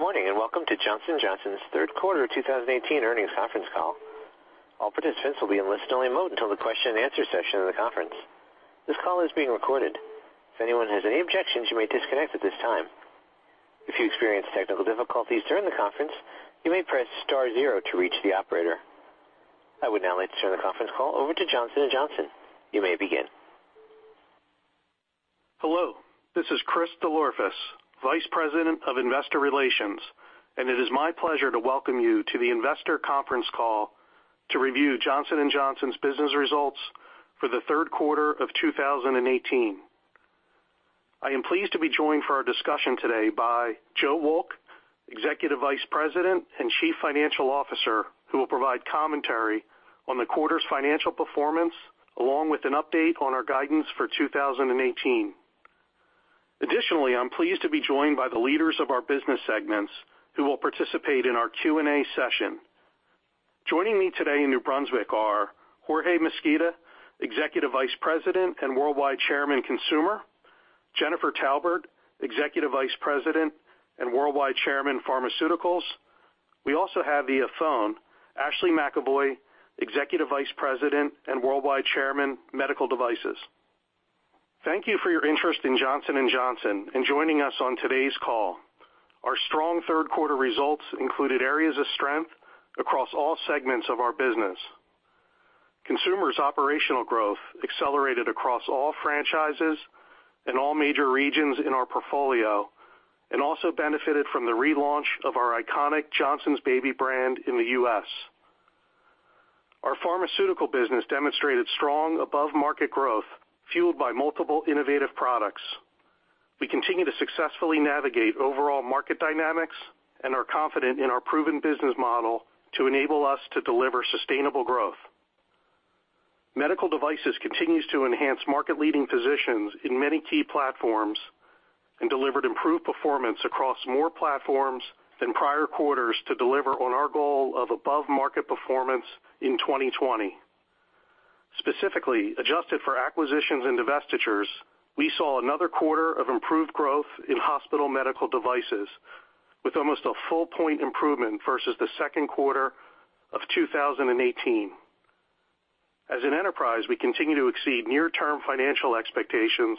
Good morning, and welcome to Johnson & Johnson's third quarter 2018 earnings conference call. All participants will be in listen-only mode until the question and answer session of the conference. This call is being recorded. If anyone has any objections, you may disconnect at this time. If you experience technical difficulties during the conference, you may press star zero to reach the operator. I would now like to turn the conference call over to Johnson & Johnson. You may begin. Hello, this is Chris DelOrefice, Vice President of Investor Relations, and it is my pleasure to welcome you to the investor conference call to review Johnson & Johnson's business results for the third quarter of 2018. I am pleased to be joined for our discussion today by Joe Wolk, Executive Vice President and Chief Financial Officer, who will provide commentary on the quarter's financial performance, along with an update on our guidance for 2018. Additionally, I'm pleased to be joined by the leaders of our business segments who will participate in our Q&A session. Joining me today in New Brunswick are Jorge Mesquita, Executive Vice President and Worldwide Chairman, Consumer, Jennifer Taubert, Executive Vice President and Worldwide Chairman, Pharmaceuticals. We also have via phone, Ashley McEvoy, Executive Vice President and Worldwide Chairman, Medical Devices. Thank you for your interest in Johnson & Johnson and joining us on today's call. Our strong third quarter results included areas of strength across all segments of our business. Consumer's operational growth accelerated across all franchises and all major regions in our portfolio, and also benefited from the relaunch of our iconic Johnson's Baby brand in the U.S. Our pharmaceutical business demonstrated strong above-market growth fueled by multiple innovative products. We continue to successfully navigate overall market dynamics and are confident in our proven business model to enable us to deliver sustainable growth. Medical Devices continues to enhance market-leading positions in many key platforms and delivered improved performance across more platforms than prior quarters to deliver on our goal of above-market performance in 2020. Specifically, adjusted for acquisitions and divestitures, we saw another quarter of improved growth in hospital medical devices with almost a full point improvement versus the second quarter of 2018. As an enterprise, we continue to exceed near-term financial expectations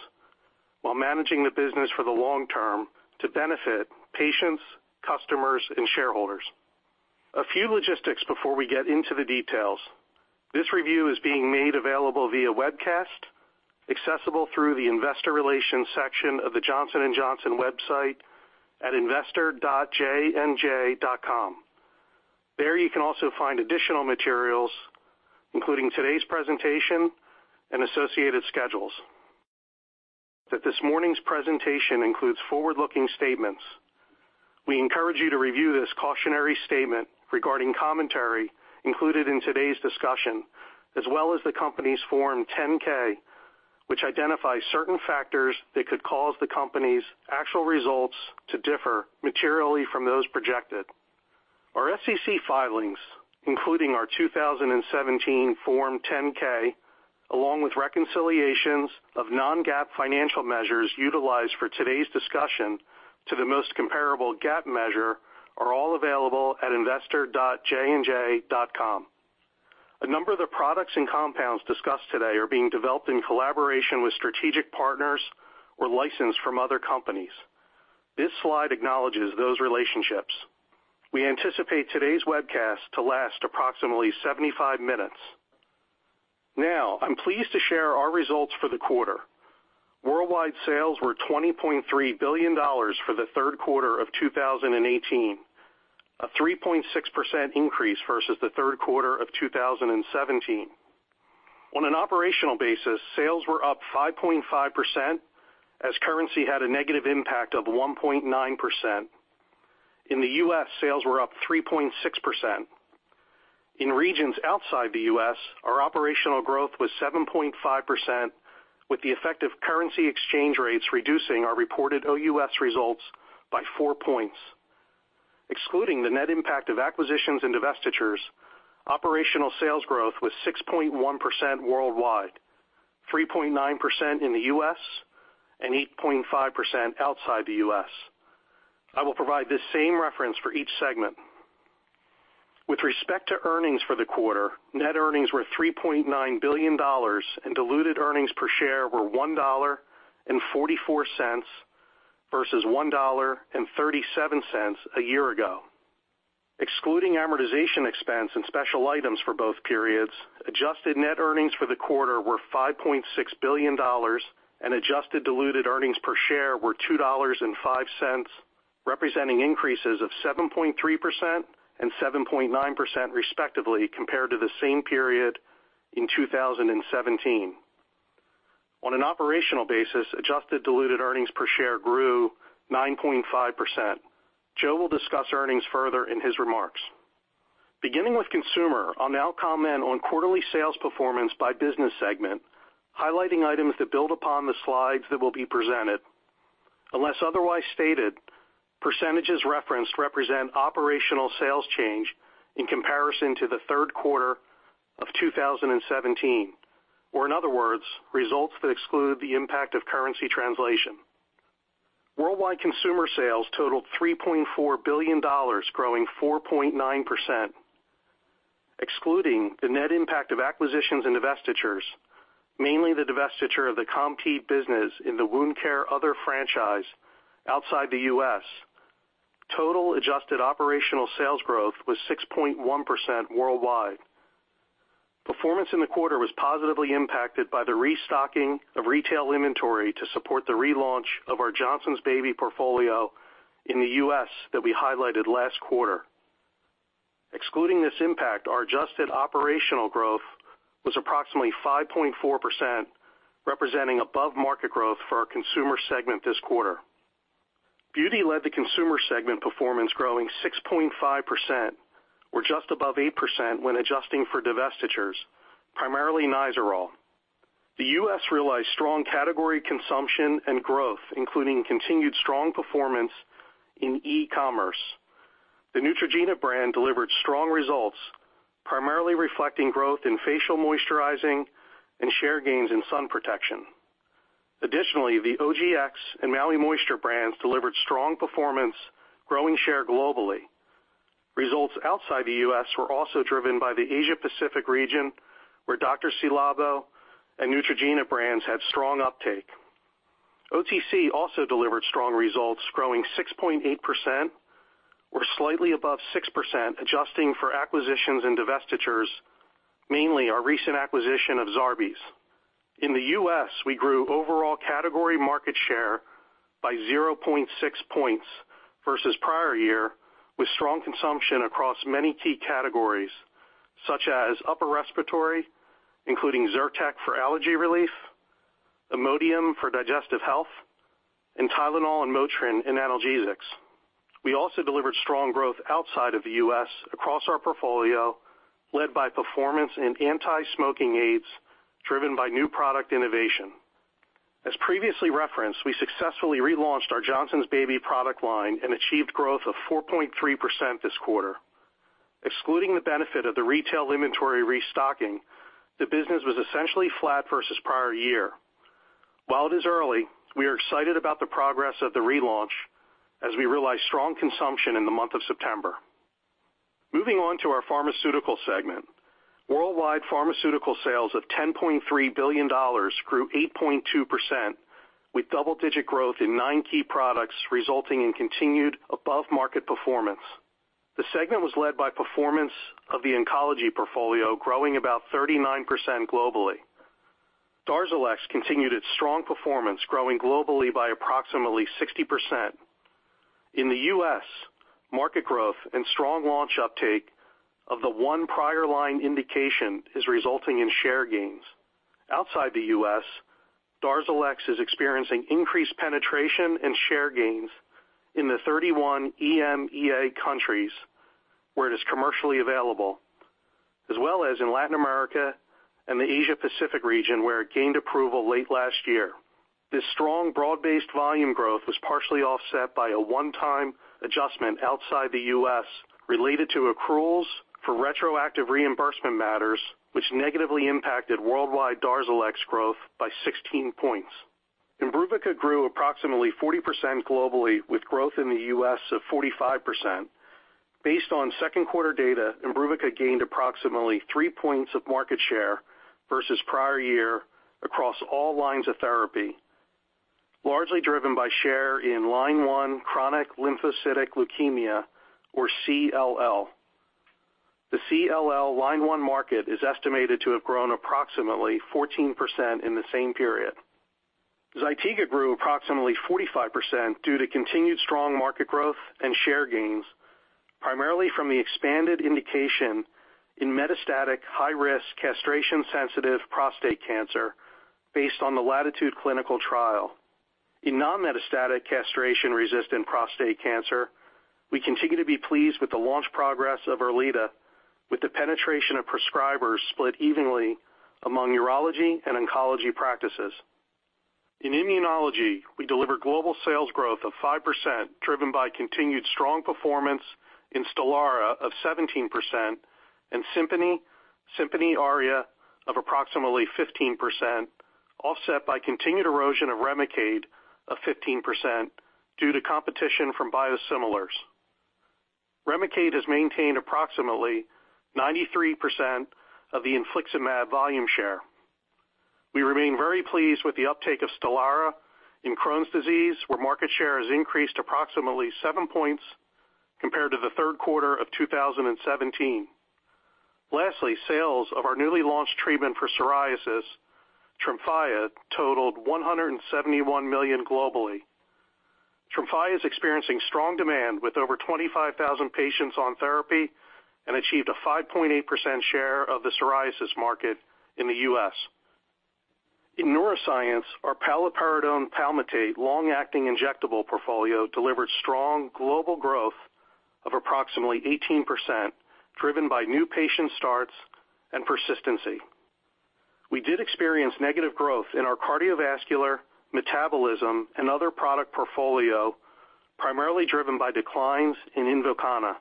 while managing the business for the long term to benefit patients, customers, and shareholders. A few logistics before we get into the details. This review is being made available via webcast, accessible through the investor relations section of the Johnson & Johnson website at investor.jnj.com. There you can also find additional materials, including today's presentation and associated schedules. That this morning's presentation includes forward-looking statements. We encourage you to review this cautionary statement regarding commentary included in today's discussion, as well as the company's Form 10-K, which identifies certain factors that could cause the company's actual results to differ materially from those projected. Our SEC filings, including our 2017 Form 10-K, along with reconciliations of non-GAAP financial measures utilized for today's discussion to the most comparable GAAP measure, are all available at investor.jnj.com. A number of the products and compounds discussed today are being developed in collaboration with strategic partners or licensed from other companies. This slide acknowledges those relationships. We anticipate today's webcast to last approximately 75 minutes. Now, I'm pleased to share our results for the quarter. Worldwide sales were $20.3 billion for the third quarter of 2018, a 3.6% increase versus the third quarter of 2017. On an operational basis, sales were up 5.5% as currency had a negative impact of 1.9%. In the U.S., sales were up 3.6%. In regions outside the U.S., our operational growth was 7.5% with the effect of currency exchange rates reducing our reported OUS results by four points. Excluding the net impact of acquisitions and divestitures, operational sales growth was 6.1% worldwide, 3.9% in the U.S., and 8.5% outside the U.S. I will provide this same reference for each segment. With respect to earnings for the quarter, net earnings were $3.9 billion and diluted earnings per share were $1.44 versus $1.37 a year ago. Excluding amortization expense and special items for both periods, adjusted net earnings for the quarter were $5.6 billion and adjusted diluted earnings per share were $2.05, representing increases of 7.3% and 7.9% respectively compared to the same period in 2017. On an operational basis, adjusted diluted earnings per share grew 9.5%. Joe will discuss earnings further in his remarks. Beginning with Consumer, I'll now comment on quarterly sales performance by business segment, highlighting items that build upon the slides that will be presented. Unless otherwise stated, percentages referenced represent operational sales change in comparison to the third quarter of 2017, or in other words, results that exclude the impact of currency translation. Worldwide Consumer sales totaled $3.4 billion, growing 4.9%. Excluding the net impact of acquisitions and divestitures, mainly the divestiture of the Compeed business in the wound care other franchise outside the U.S., total adjusted operational sales growth was 6.1% worldwide. Performance in the quarter was positively impacted by the restocking of retail inventory to support the relaunch of our Johnson's Baby portfolio in the U.S. that we highlighted last quarter. Excluding this impact, our adjusted operational growth was approximately 5.4%, representing above-market growth for our Consumer segment this quarter. Beauty led the Consumer segment performance growing 6.5%, or just above 8% when adjusting for divestitures, primarily Nizoral. The U.S. realized strong category consumption and growth, including continued strong performance in e-commerce. The Neutrogena brand delivered strong results, primarily reflecting growth in facial moisturizing and share gains in sun protection. Additionally, the OGX and Maui Moisture brands delivered strong performance, growing share globally. Results outside the U.S. were also driven by the Asia Pacific region, where Dr.Ci:Labo and Neutrogena brands had strong uptake. OTC also delivered strong results, growing 6.8%, or slightly above 6% adjusting for acquisitions and divestitures, mainly our recent acquisition of Zarbee's. In the U.S., we grew overall category market share by 0.6 points versus prior year, with strong consumption across many key categories, such as upper respiratory, including ZYRTEC for allergy relief, IMODIUM for digestive health, and TYLENOL and MOTRIN in analgesics. We also delivered strong growth outside of the U.S. across our portfolio, led by performance in anti-smoking aids driven by new product innovation. As previously referenced, we successfully relaunched our Johnson's Baby product line and achieved growth of 4.3% this quarter. Excluding the benefit of the retail inventory restocking, the business was essentially flat versus prior year. While it is early, we are excited about the progress of the relaunch as we realize strong consumption in the month of September. Moving on to our pharmaceutical segment. Worldwide pharmaceutical sales of $10.3 billion grew 8.2% with double-digit growth in nine key products, resulting in continued above-market performance. The segment was led by performance of the oncology portfolio, growing about 39% globally. DARZALEX continued its strong performance, growing globally by approximately 60%. In the U.S., market growth and strong launch uptake of the one prior line indication is resulting in share gains. Outside the U.S., DARZALEX is experiencing increased penetration and share gains in the 31 EMEA countries where it is commercially available, as well as in Latin America and the Asia Pacific region, where it gained approval late last year. This strong broad-based volume growth was partially offset by a one-time adjustment outside the U.S. related to accruals for retroactive reimbursement matters, which negatively impacted worldwide DARZALEX growth by 16 points. IMBRUVICA grew approximately 40% globally, with growth in the U.S. of 45%. Based on second quarter data, IMBRUVICA gained approximately three points of market share versus prior year across all lines of therapy, largely driven by share in line one chronic lymphocytic leukemia or CLL. The CLL line one market is estimated to have grown approximately 14% in the same period. ZYTIGA grew approximately 45% due to continued strong market growth and share gains, primarily from the expanded indication in metastatic high-risk castration-sensitive prostate cancer based on the LATITUDE clinical trial. In non-metastatic castration-resistant prostate cancer, we continue to be pleased with the launch progress of ERLEADA, with the penetration of prescribers split evenly among urology and oncology practices. In immunology, we delivered global sales growth of 5% driven by continued strong performance in STELARA of 17% and SIMPONI/SIMPONI ARIA of approximately 15%, offset by continued erosion of REMICADE of 15% due to competition from biosimilars. REMICADE has maintained approximately 93% of the infliximab volume share. We remain very pleased with the uptake of STELARA in Crohn's disease, where market share has increased approximately seven points compared to the third quarter of 2017. Lastly, sales of our newly launched treatment for psoriasis, TREMFYA, totaled $171 million globally. TREMFYA is experiencing strong demand with over 25,000 patients on therapy and achieved a 5.8% share of the psoriasis market in the U.S. In neuroscience, our paliperidone palmitate long-acting injectable portfolio delivered strong global growth of approximately 18%, driven by new patient starts and persistency. We did experience negative growth in our cardiovascular, metabolism, and other product portfolio, primarily driven by declines in INVOKANA.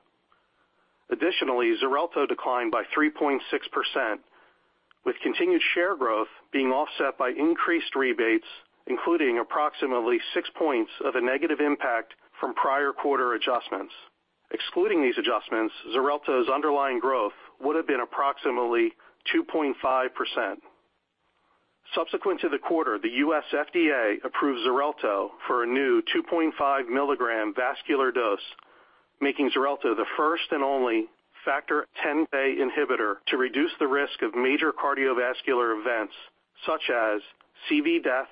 Additionally, XARELTO declined by 3.6%, with continued share growth being offset by increased rebates, including approximately six points of a negative impact from prior quarter adjustments. Excluding these adjustments, XARELTO's underlying growth would've been approximately 2.5%. Subsequent to the quarter, the U.S. FDA approved XARELTO for a new 2.5 milligram vascular dose, making XARELTO the first and only Factor Xa inhibitor to reduce the risk of major cardiovascular events, such as CV death,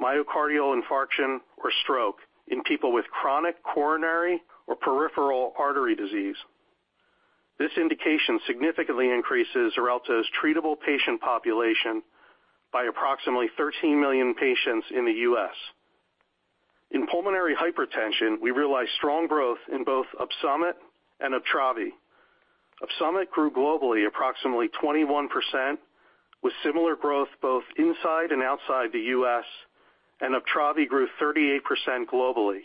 myocardial infarction, or stroke in people with chronic coronary or peripheral artery disease. This indication significantly increases XARELTO's treatable patient population by approximately 13 million patients in the U.S. In pulmonary hypertension, we realized strong growth in both Opsumit and UPTRAVI. Opsumit grew globally approximately 21%, with similar growth both inside and outside the U.S. UPTRAVI grew 38% globally,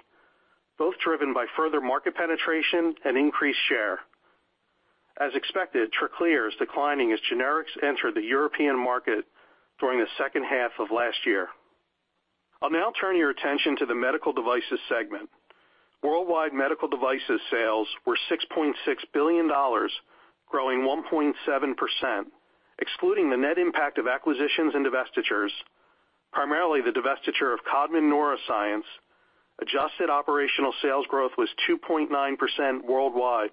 both driven by further market penetration and increased share. As expected, TRACLEER is declining as generics enter the European market during the second half of last year. I'll now turn your attention to the Medical Devices segment. Worldwide Medical Devices sales were $6.6 billion, growing 1.7%. Excluding the net impact of acquisitions and divestitures, primarily the divestiture of Codman Neurosurgery, adjusted operational sales growth was 2.9% worldwide.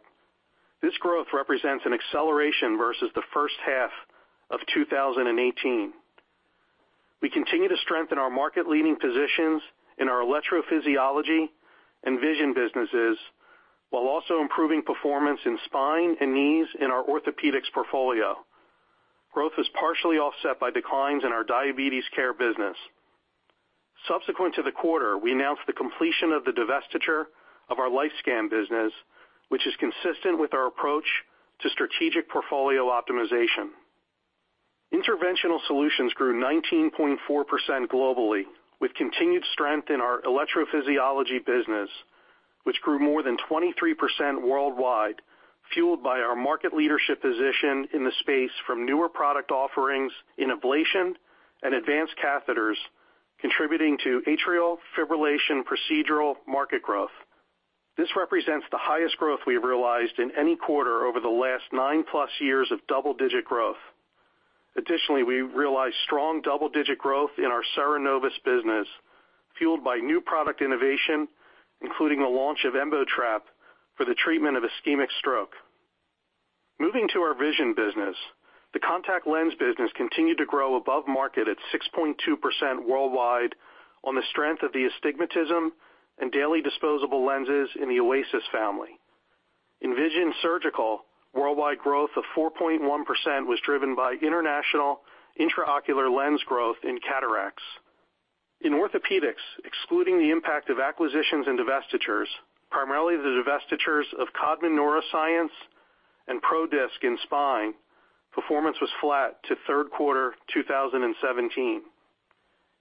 This growth represents an acceleration versus the first half of 2018. We continue to strengthen our market-leading positions in our electrophysiology and vision businesses, while also improving performance in spine and knees in our orthopedics portfolio. Growth was partially offset by declines in our diabetes care business. Subsequent to the quarter, we announced the completion of the divestiture of our LifeScan business, which is consistent with our approach to strategic portfolio optimization. Interventional solutions grew 19.4% globally with continued strength in our electrophysiology business, which grew more than 23% worldwide, fueled by our market leadership position in the space from newer product offerings in ablation and advanced catheters contributing to atrial fibrillation procedural market growth. This represents the highest growth we've realized in any quarter over the last nine-plus years of double-digit growth. Additionally, we realized strong double-digit growth in our Cerenovus business, fueled by new product innovation, including the launch of EmboTrap for the treatment of ischemic stroke. Moving to our vision business, the contact lens business continued to grow above market at 6.2% worldwide on the strength of the astigmatism and daily disposable lenses in the OASYS family. In vision surgical, worldwide growth of 4.1% was driven by international intraocular lens growth in cataracts. In orthopedics, excluding the impact of acquisitions and divestitures, primarily the divestitures of Codman Neurosurgery and Prodisc in spine, performance was flat to third quarter 2017.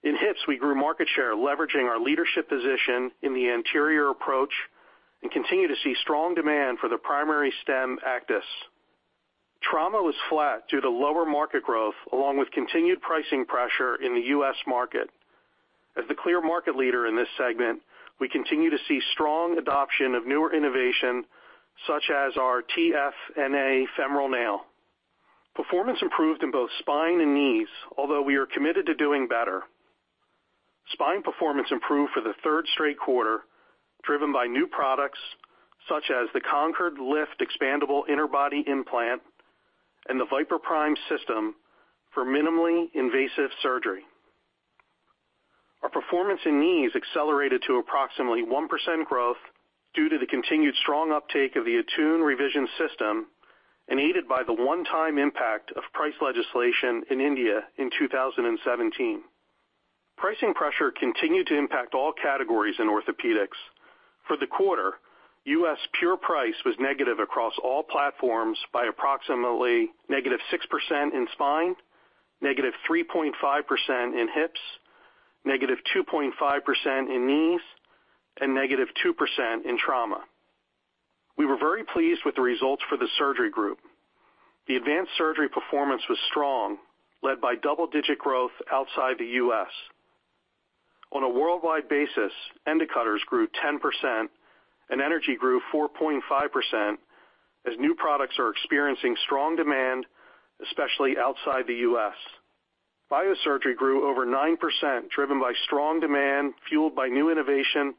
In hips, we grew market share leveraging our leadership position in the anterior approach and continue to see strong demand for the primary stem ACTIS. Trauma was flat due to lower market growth along with continued pricing pressure in the U.S. market. As the clear market leader in this segment, we continue to see strong adoption of newer innovation, such as our TFNA femoral nail. Performance improved in both spine and knees, although we are committed to doing better. Spine performance improved for the third straight quarter, driven by new products such as the CONCORDE LIFT Expandable Interbody implant and the VIPER PRIME system for minimally invasive surgery. Our performance in knees accelerated to approximately 1% growth due to the continued strong uptake of the ATTUNE Revision system and aided by the one-time impact of price legislation in India in 2017. Pricing pressure continued to impact all categories in orthopedics. For the quarter, U.S. pure price was negative across all platforms by approximately -6% in spine, -3.5% in hips, -2.5% in knees, and -2% in trauma. We were very pleased with the results for the surgery group. The advanced surgery performance was strong, led by double-digit growth outside the U.S. On a worldwide basis, Endocutters grew 10% and energy grew 4.5% as new products are experiencing strong demand, especially outside the U.S. Biosurgery grew over 9%, driven by strong demand fueled by new innovation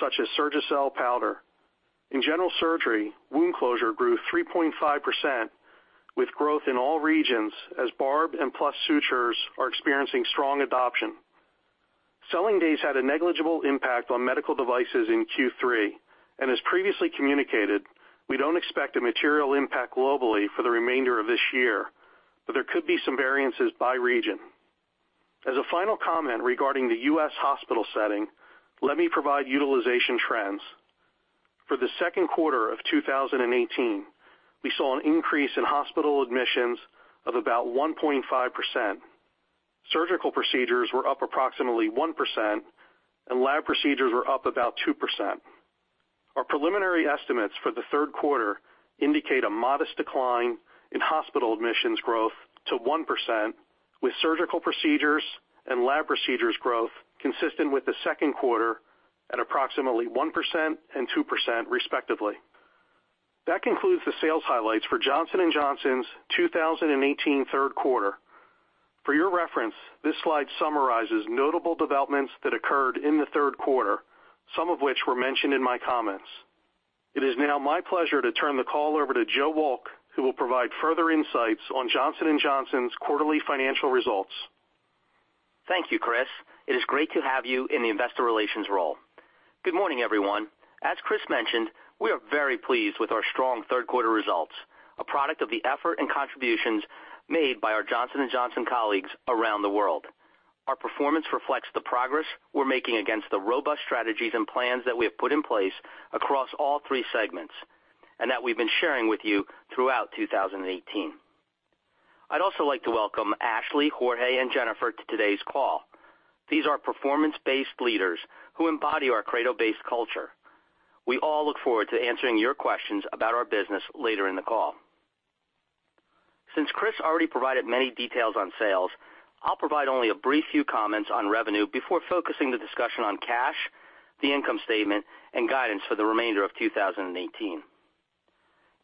such as SURGICEL powder. In general surgery, wound closure grew 3.5% with growth in all regions as barbed and Plus sutures are experiencing strong adoption. Selling days had a negligible impact on medical devices in Q3. As previously communicated, we don't expect a material impact globally for the remainder of this year, but there could be some variances by region. As a final comment regarding the U.S. hospital setting, let me provide utilization trends. For the second quarter of 2018, we saw an increase in hospital admissions of about 1.5%. Surgical procedures were up approximately 1%. Lab procedures were up about 2%. Our preliminary estimates for the third quarter indicate a modest decline in hospital admissions growth to 1%, with surgical procedures and lab procedures growth consistent with the second quarter at approximately 1% and 2% respectively. That concludes the sales highlights for Johnson & Johnson's 2018 third quarter. For your reference, this slide summarizes notable developments that occurred in the third quarter, some of which were mentioned in my comments. It is now my pleasure to turn the call over to Joe Wolk, who will provide further insights on Johnson & Johnson's quarterly financial results. Thank you, Chris. It is great to have you in the investor relations role. Good morning, everyone. As Chris mentioned, we are very pleased with our strong third quarter results, a product of the effort and contributions made by our Johnson & Johnson colleagues around the world. Our performance reflects the progress we're making against the robust strategies and plans that we have put in place across all three segments, that we've been sharing with you throughout 2018. I'd also like to welcome Ashley, Jorge, and Jennifer to today's call. These are performance-based leaders who embody our credo-based culture. We all look forward to answering your questions about our business later in the call. Since Chris already provided many details on sales, I'll provide only a brief few comments on revenue before focusing the discussion on cash, the income statement, and guidance for the remainder of 2018.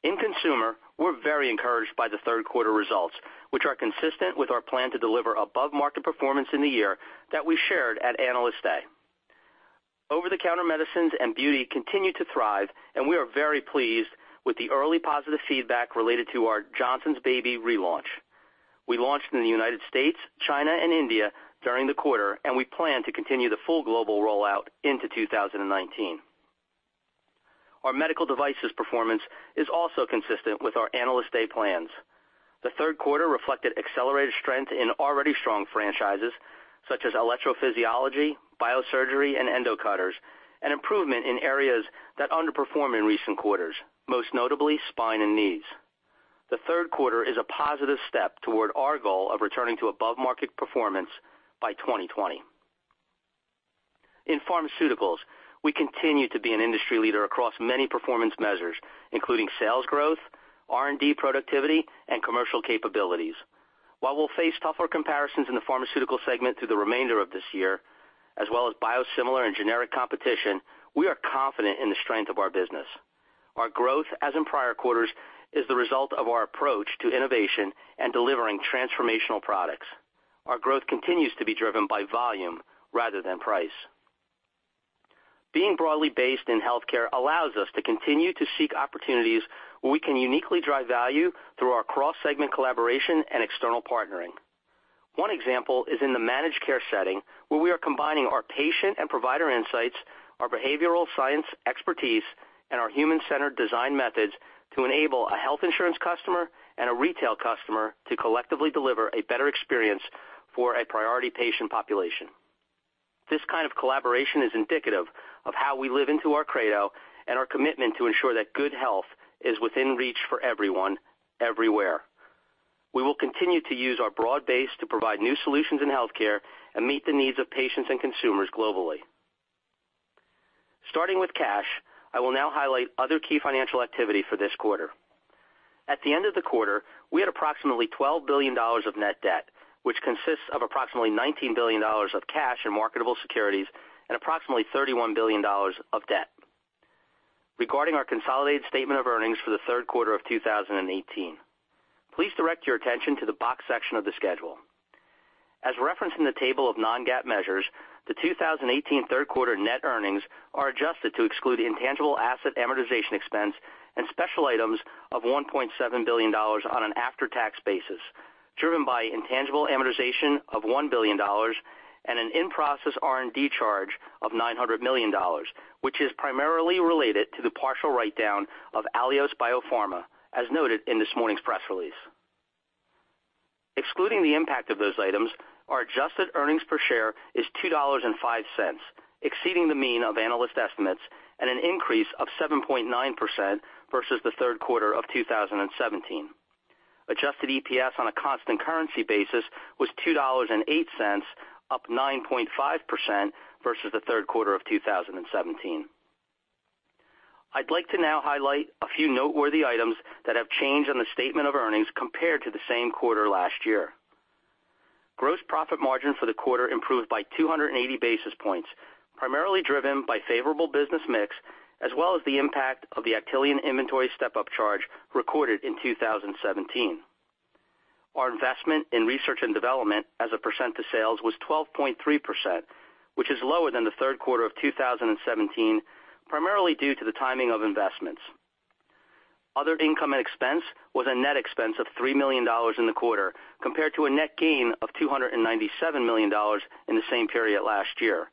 In consumer, we're very encouraged by the third quarter results, which are consistent with our plan to deliver above-market performance in the year that we shared at Analyst Day. Over-the-counter medicines and beauty continue to thrive. We are very pleased with the early positive feedback related to our Johnson's Baby relaunch. We launched in the United States, China, and India during the quarter. We plan to continue the full global rollout into 2019. Our medical devices performance is also consistent with our Analyst Day plans. The third quarter reflected accelerated strength in already strong franchises such as electrophysiology, biosurgery, and endocutters. Improvement in areas that underperformed in recent quarters, most notably spine and knees. The third quarter is a positive step toward our goal of returning to above-market performance by 2020. In pharmaceuticals, we continue to be an industry leader across many performance measures, including sales growth, R&D productivity, and commercial capabilities. While we'll face tougher comparisons in the pharmaceutical segment through the remainder of this year, as well as biosimilar and generic competition, we are confident in the strength of our business. Our growth, as in prior quarters, is the result of our approach to innovation and delivering transformational products. Our growth continues to be driven by volume rather than price. Being broadly based in healthcare allows us to continue to seek opportunities where we can uniquely drive value through our cross-segment collaboration and external partnering. One example is in the managed care setting, where we are combining our patient and provider insights, our behavioral science expertise, and our human-centered design methods to enable a health insurance customer and a retail customer to collectively deliver a better experience for a priority patient population. This kind of collaboration is indicative of how we live into our credo and our commitment to ensure that good health is within reach for everyone, everywhere. We will continue to use our broad base to provide new solutions in healthcare and meet the needs of patients and consumers globally. Starting with cash, I will now highlight other key financial activity for this quarter. At the end of the quarter, we had approximately $12 billion of net debt, which consists of approximately $19 billion of cash and marketable securities and approximately $31 billion of debt. Regarding our consolidated statement of earnings for the third quarter of 2018, please direct your attention to the box section of the schedule. As referenced in the table of non-GAAP measures, the 2018 third quarter net earnings are adjusted to exclude intangible asset amortization expense and special items of $1.7 billion on an after-tax basis, driven by intangible amortization of $1 billion and an in-process R&D charge of $900 million, which is primarily related to the partial write-down of Alios BioPharma, as noted in this morning's press release. Excluding the impact of those items, our adjusted earnings per share is $2.05, exceeding the mean of analyst estimates and an increase of 7.9% versus the third quarter of 2017. Adjusted EPS on a constant currency basis was $2.08, up 9.5% versus the third quarter of 2017. I'd like to now highlight a few noteworthy items that have changed on the statement of earnings compared to the same quarter last year. Gross profit margin for the quarter improved by 280 basis points, primarily driven by favorable business mix, as well as the impact of the Actelion inventory step-up charge recorded in 2017. Our investment in research and development as a percent of sales was 12.3%, which is lower than the third quarter of 2017, primarily due to the timing of investments. Other income and expense was a net expense of $3 million in the quarter, compared to a net gain of $297 million in the same period last year.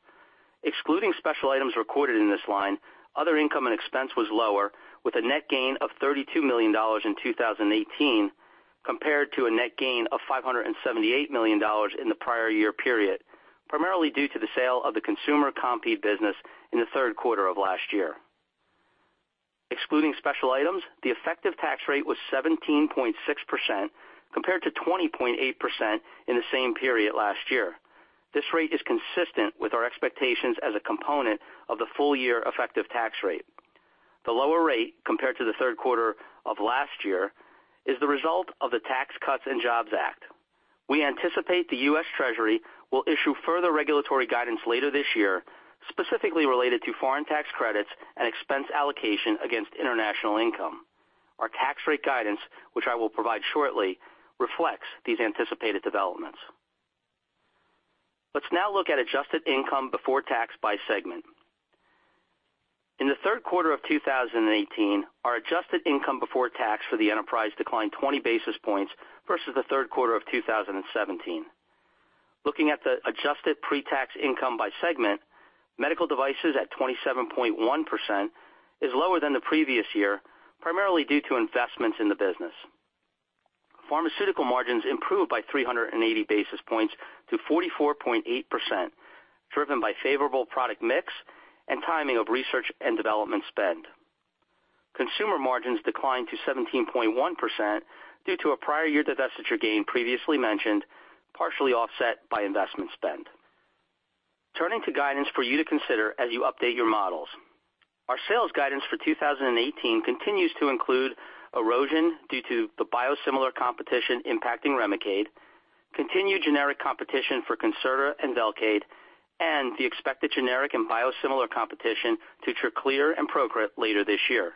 Excluding special items recorded in this line, other income and expense was lower with a net gain of $32 million in 2018 compared to a net gain of $578 million in the prior year period, primarily due to the sale of the Consumer Compeed business in the third quarter of last year. Excluding special items, the effective tax rate was 17.6% compared to 20.8% in the same period last year. This rate is consistent with our expectations as a component of the full year effective tax rate. The lower rate compared to the third quarter of last year is the result of the Tax Cuts and Jobs Act. We anticipate the U.S. Treasury will issue further regulatory guidance later this year, specifically related to foreign tax credits and expense allocation against international income. Our tax rate guidance, which I will provide shortly, reflects these anticipated developments. Let's now look at adjusted income before tax by segment. In the third quarter of 2018, our adjusted income before tax for the enterprise declined 20 basis points versus the third quarter of 2017. Looking at the adjusted pre-tax income by segment, medical devices at 27.1% is lower than the previous year, primarily due to investments in the business. Pharmaceutical margins improved by 380 basis points to 44.8%, driven by favorable product mix and timing of research and development spend. Consumer margins declined to 17.1% due to a prior year divestiture gain previously mentioned, partially offset by investment spend. Turning to guidance for you to consider as you update your models. Our sales guidance for 2018 continues to include erosion due to the biosimilar competition impacting REMICADE, continued generic competition for CONCERTA and VELCADE, and the expected generic and biosimilar competition to TRACLEER and PROCRIT later this year.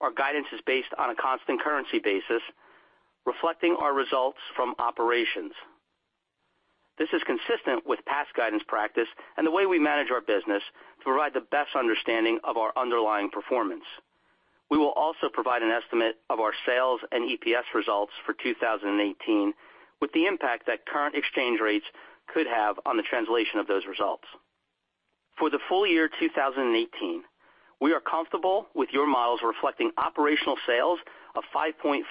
Our guidance is based on a constant currency basis, reflecting our results from operations. This is consistent with past guidance practice and the way we manage our business to provide the best understanding of our underlying performance. We will also provide an estimate of our sales and EPS results for 2018 with the impact that current exchange rates could have on the translation of those results. For the full year 2018, we are comfortable with your models reflecting operational sales of 5.5%-6.0%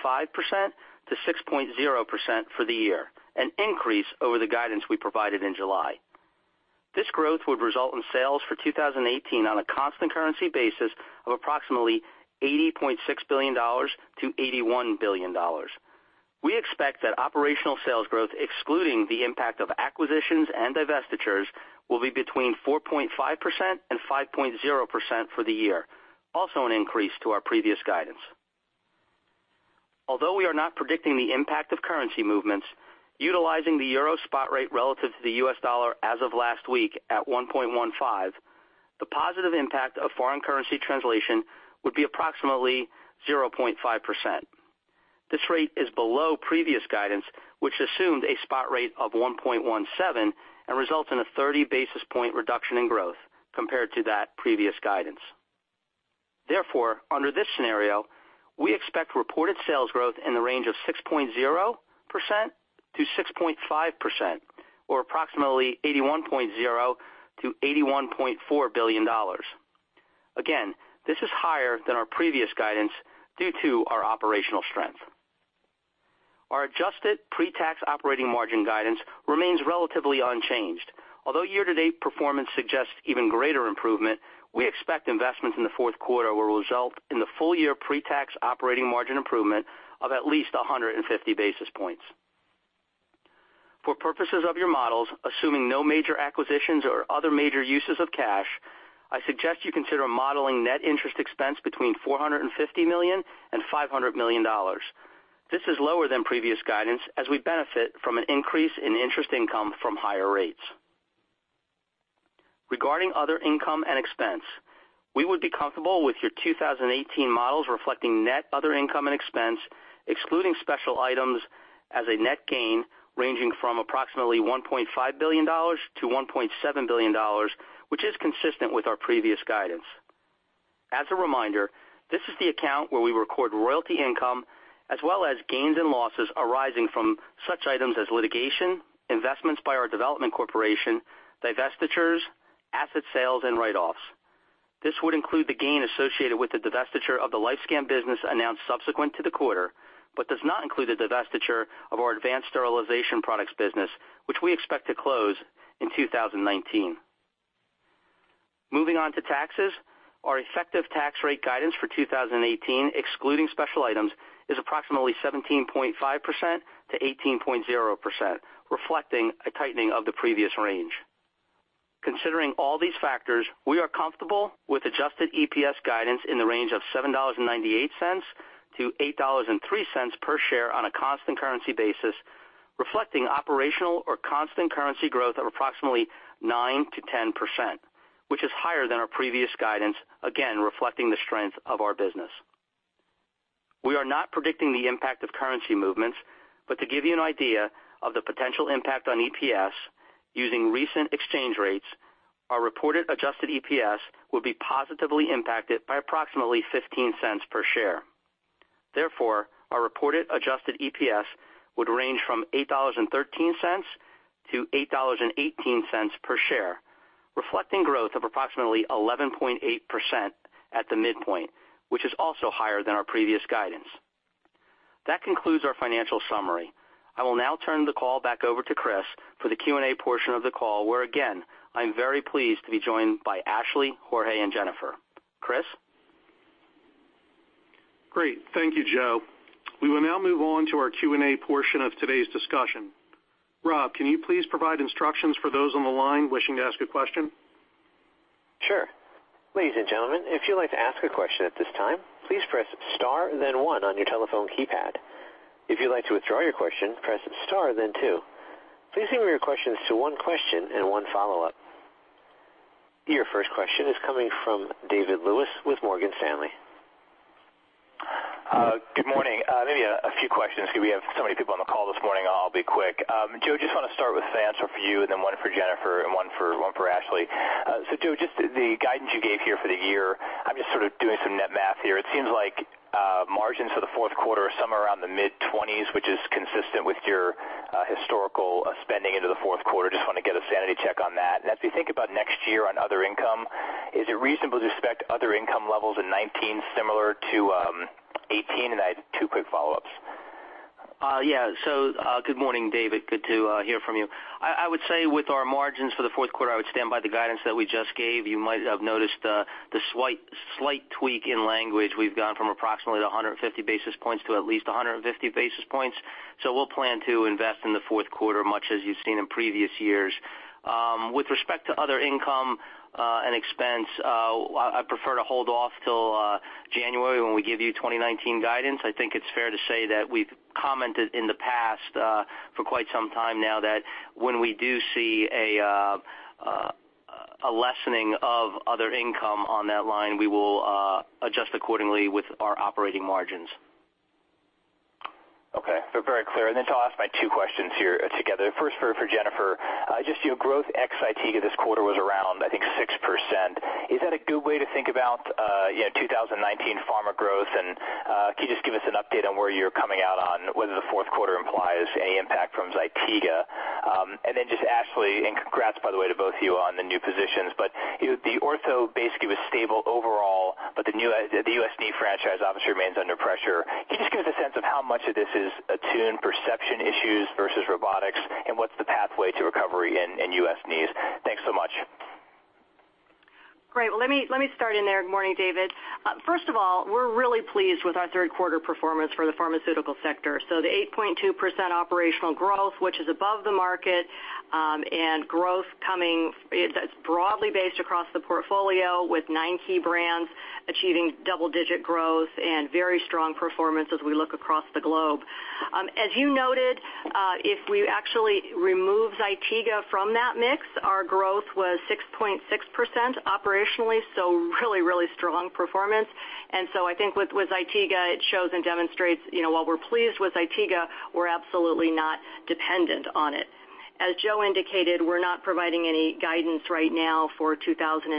for the year, an increase over the guidance we provided in July. This growth would result in sales for 2018 on a constant currency basis of approximately $80.6 billion-$81 billion. We expect that operational sales growth, excluding the impact of acquisitions and divestitures, will be between 4.5% and 5.0% for the year, also an increase to our previous guidance. Although we are not predicting the impact of currency movements, utilizing the EUR spot rate relative to the U.S. dollar as of last week at 1.15, the positive impact of foreign currency translation would be approximately 0.5%. This rate is below previous guidance, which assumed a spot rate of 1.17 and results in a 30 basis point reduction in growth compared to that previous guidance. Therefore, under this scenario, we expect reported sales growth in the range of 6.0%-6.5%, or approximately $81.0 billion-$81.4 billion. Again, this is higher than our previous guidance due to our operational strength. Our adjusted pre-tax operating margin guidance remains relatively unchanged. Although year-to-date performance suggests even greater improvement, we expect investments in the fourth quarter will result in the full-year pre-tax operating margin improvement of at least 150 basis points. For purposes of your models, assuming no major acquisitions or other major uses of cash, I suggest you consider modeling net interest expense between $450 million-$500 million. This is lower than previous guidance as we benefit from an increase in interest income from higher rates. Regarding other income and expense, we would be comfortable with your 2018 models reflecting net other income and expense, excluding special items as a net gain ranging from approximately $1.5 billion-$1.7 billion, which is consistent with our previous guidance. As a reminder, this is the account where we record royalty income, as well as gains and losses arising from such items as litigation, investments by our development corporation, divestitures, asset sales, and write-offs. This would include the gain associated with the divestiture of the LifeScan business announced subsequent to the quarter, but does not include the divestiture of our Advanced Sterilization Products business, which we expect to close in 2019. Moving on to taxes. Our effective tax rate guidance for 2018, excluding special items, is approximately 17.5%-18.0%, reflecting a tightening of the previous range. Considering all these factors, we are comfortable with adjusted EPS guidance in the range of $7.98-$8.03 per share on a constant currency basis, reflecting operational or constant currency growth of approximately 9%-10%, which is higher than our previous guidance, again, reflecting the strength of our business. We are not predicting the impact of currency movements, but to give you an idea of the potential impact on EPS using recent exchange rates, our reported adjusted EPS will be positively impacted by approximately $0.15 per share. Therefore, our reported adjusted EPS would range from $8.13-$8.18 per share, reflecting growth of approximately 11.8% at the midpoint, which is also higher than our previous guidance. That concludes our financial summary. I will now turn the call back over to Chris for the Q&A portion of the call, where again, I'm very pleased to be joined by Ashley, Jorge, and Jennifer. Chris? Great. Thank you, Joe. We will now move on to our Q&A portion of today's discussion. Rob, can you please provide instructions for those on the line wishing to ask a question? Sure. Ladies and gentlemen, if you'd like to ask a question at this time, please press star then one on your telephone keypad. If you'd like to withdraw your question, press star then two. Please limit your questions to one question and one follow-up. Your first question is coming from David Lewis with Morgan Stanley. Good morning. Maybe a few questions because we have so many people on the call this morning, I'll be quick. Joe, just want to start with an answer for you and then one for Jennifer and one for Ashley. Joe, just the guidance you gave here for the year, I'm just sort of doing some net math here. It seems like margins for the fourth quarter are somewhere around the mid-20s, which is consistent with your historical spending into the fourth quarter. Just want to get a sanity check on that. As we think about next year on other income, is it reasonable to expect other income levels in 2019 similar to 2018? I had two quick follow-ups. Yeah. Good morning, David. Good to hear from you. I would say with our margins for the fourth quarter, I would stand by the guidance that we just gave. You might have noticed the slight tweak in language. We've gone from approximately 150 basis points to at least 150 basis points. We'll plan to invest in the fourth quarter, much as you've seen in previous years. With respect to other income and expense, I prefer to hold off till January when we give you 2019 guidance. I think it's fair to say that we've commented in the past for quite some time now that when we do see a lessening of other income on that line, we will adjust accordingly with our operating margins. Okay. Very clear. I'll ask my two questions here together. First for Jennifer. Just your growth ex ZYTIGA this quarter was around, I think 6%. Is that a good way to think about 2019 pharma growth? Can you just give us an update on where you're coming out on whether the fourth quarter implies any impact from ZYTIGA? Just Ashley, and congrats by the way to both of you on the new positions. But the ortho basically was stable overall, but the new U.S. knee franchise obviously remains under pressure. Can you just give us a sense of how much of this is ATTUNE perception issues versus robotics and what's the pathway to recovery in U.S. knees? Thanks so much. Well, let me start in there. Good morning, David. First of all, we're really pleased with our third quarter performance for the pharmaceutical sector. The 8.2% operational growth, which is above the market, and growth coming, it's broadly based across the portfolio with nine key brands achieving double-digit growth and very strong performance as we look across the globe. As you noted, if we actually remove ZYTIGA from that mix, our growth was 6.6% operationally, really, really strong performance. I think with ZYTIGA, it shows and demonstrates while we're pleased with ZYTIGA, we're absolutely not dependent on it. As Joe indicated, we're not providing any guidance right now for 2019.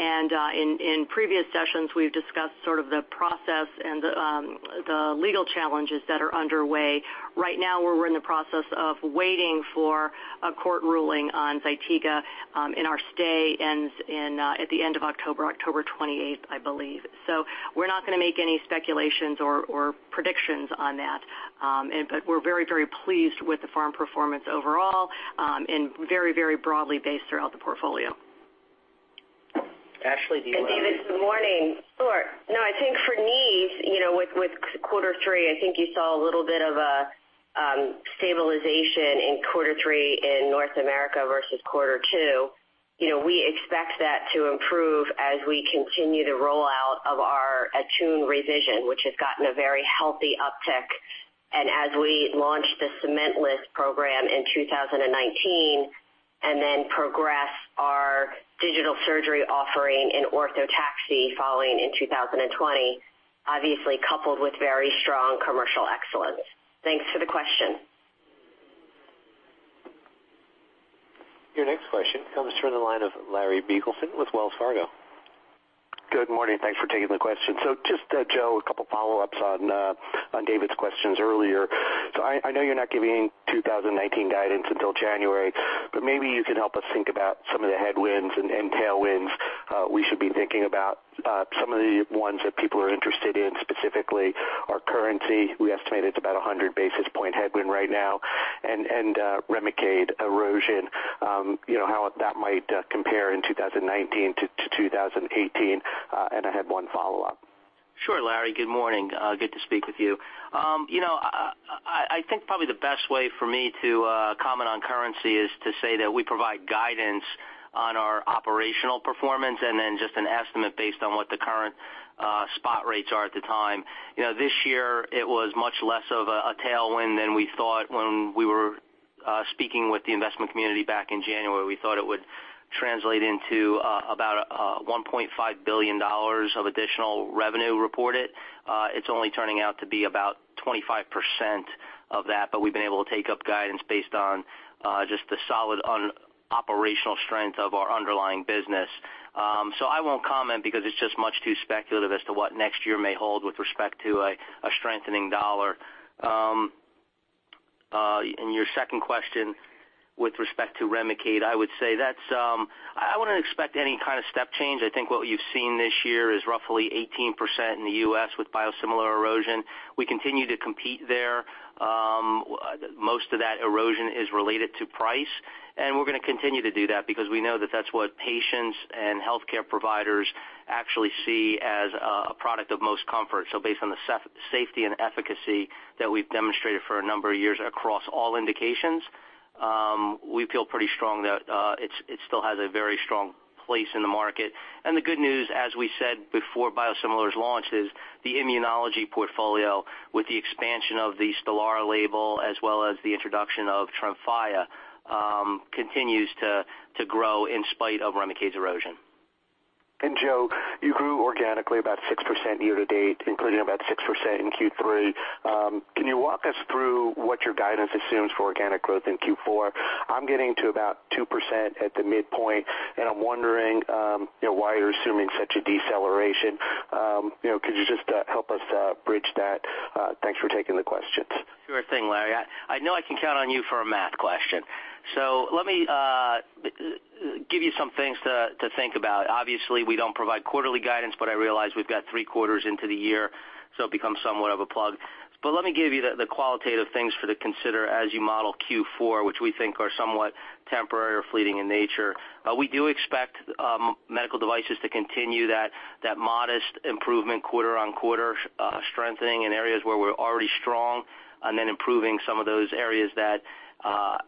In previous sessions, we've discussed sort of the process and the legal challenges that are underway. Right now, we're in the process of waiting for a court ruling on ZYTIGA, and our stay ends at the end of October 28th, I believe. We're not going to make any speculations or predictions on that. We're very, very pleased with the pharm performance overall, and very, very broadly based throughout the portfolio. Ashley, do you want to- David, good morning. Sure. No, I think for knees, with quarter three, I think you saw a little bit of a stabilization in quarter three in North America versus quarter two. We expect that to improve as we continue the rollout of our ATTUNE Revision, which has gotten a very healthy uptick. As we launch the cement-less program in 2019, progress our digital surgery offering in Orthotaxy following in 2020, obviously coupled with very strong commercial excellence. Thanks for the question. Your next question comes from the line of Larry Biegelsen with Wells Fargo. Good morning. Thanks for taking the question. Joe, a couple follow-ups on David's questions earlier. I know you're not giving 2019 guidance until January, but maybe you can help us think about some of the headwinds and tailwinds we should be thinking about. Some of the ones that people are interested in specifically are currency, we estimate it's about 100 basis point headwind right now, and Remicade erosion, how that might compare in 2019 to 2018. I had one follow-up. Sure, Larry. Good morning. Good to speak with you. I think probably the best way for me to comment on currency is to say that we provide guidance on our operational performance and then just an estimate based on what the current spot rates are at the time. This year, it was much less of a tailwind than we thought when we were speaking with the investment community back in January. We thought it would translate into about $1.5 billion of additional revenue reported. It's only turning out to be about 25% of that, but we've been able to take up guidance based on just the solid operational strength of our underlying business. I won't comment because it's just much too speculative as to what next year may hold with respect to a strengthening dollar. Your second question with respect to Remicade, I wouldn't expect any kind of step change. I think what you've seen this year is roughly 18% in the U.S. with biosimilar erosion. We continue to compete there. Most of that erosion is related to price, and we're going to continue to do that because we know that's what patients and healthcare providers actually see as a product of most comfort. Based on the safety and efficacy that we've demonstrated for a number of years across all indications, we feel pretty strong that it still has a very strong place in the market. The good news, as we said before biosimilars launch, is the immunology portfolio with the expansion of the Stelara label as well as the introduction of Tremfya continues to grow in spite of Remicade's erosion. Joe, you grew organically about 6% year to date, including about 6% in Q3. Can you walk us through what your guidance assumes for organic growth in Q4? I'm getting to about 2% at the midpoint, I'm wondering why you're assuming such a deceleration. Could you just help us bridge that? Thanks for taking the questions. Sure thing, Larry. I know I can count on you for a math question. Let me give you some things to think about. Obviously, we don't provide quarterly guidance, I realize we've got three quarters into the year, it becomes somewhat of a plug. Let me give you the qualitative things for to consider as you model Q4, which we think are somewhat temporary or fleeting in nature. We do expect Medical Devices to continue that modest improvement quarter on quarter strengthening in areas where we're already strong, then improving some of those areas that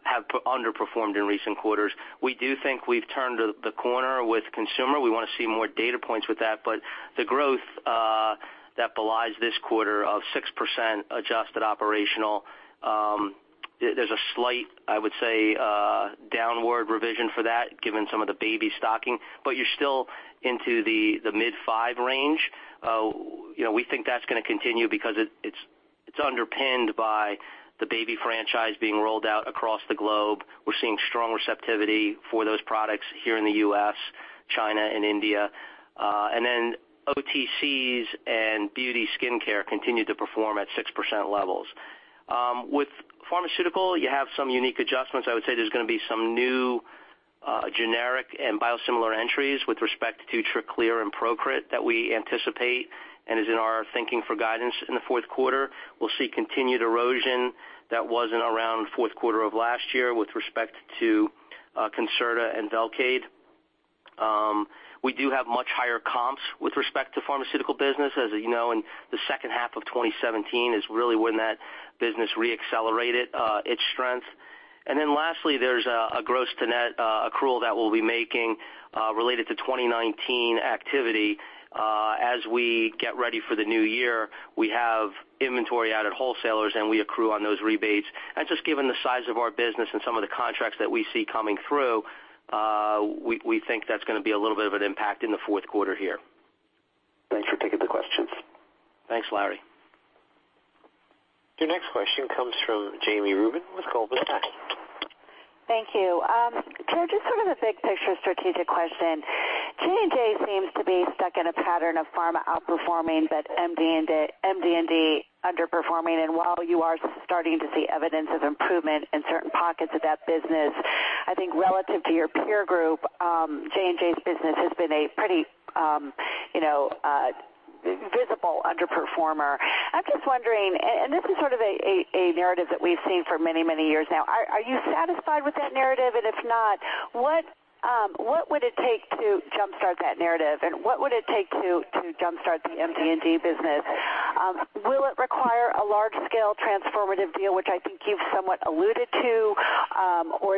have underperformed in recent quarters. We do think we've turned the corner with Consumer. We want to see more data points with that. The growth that belies this quarter of 6% adjusted operational, there's a slight, I would say, downward revision for that given some of the baby stocking. You're still into the mid-5 range. We think that's going to continue because it's underpinned by the baby franchise being rolled out across the globe. We're seeing strong receptivity for those products here in the U.S., China and India. OTCs and beauty skin care continue to perform at 6% levels. With Pharmaceutical, you have some unique adjustments. I would say there's going to be some new generic and biosimilar entries with respect to TRACLEER and PROCRIT that we anticipate and is in our thinking for guidance in the fourth quarter. We'll see continued erosion that wasn't around fourth quarter of last year with respect to CONCERTA and VELCADE. We do have much higher comps with respect to Pharmaceutical business. As you know, in the second half of 2017 is really when that business re-accelerated its strength. Lastly, there's a gross-to-net accrual that we'll be making related to 2019 activity. As we get ready for the new year, we have inventory out at wholesalers, we accrue on those rebates. Just given the size of our business and some of the contracts that we see coming through, we think that's going to be a little bit of an impact in the fourth quarter here. Thanks for taking the questions. Thanks, Larry. Your next question comes from Jami Rubin with Goldman Sachs. Thank you. Joe, just sort of a big picture strategic question. J&J seems to be stuck in a pattern of pharma outperforming, but MD&D underperforming. While you are starting to see evidence of improvement in certain pockets of that business, I think relative to your peer group, J&J's business has been a pretty visible underperformer. I'm just wondering, this is sort of a narrative that we've seen for many years now, are you satisfied with that narrative? If not, what would it take to jumpstart that narrative? What would it take to jumpstart the MD&D business? Will it require a large-scale transformative deal, which I think you've somewhat alluded to?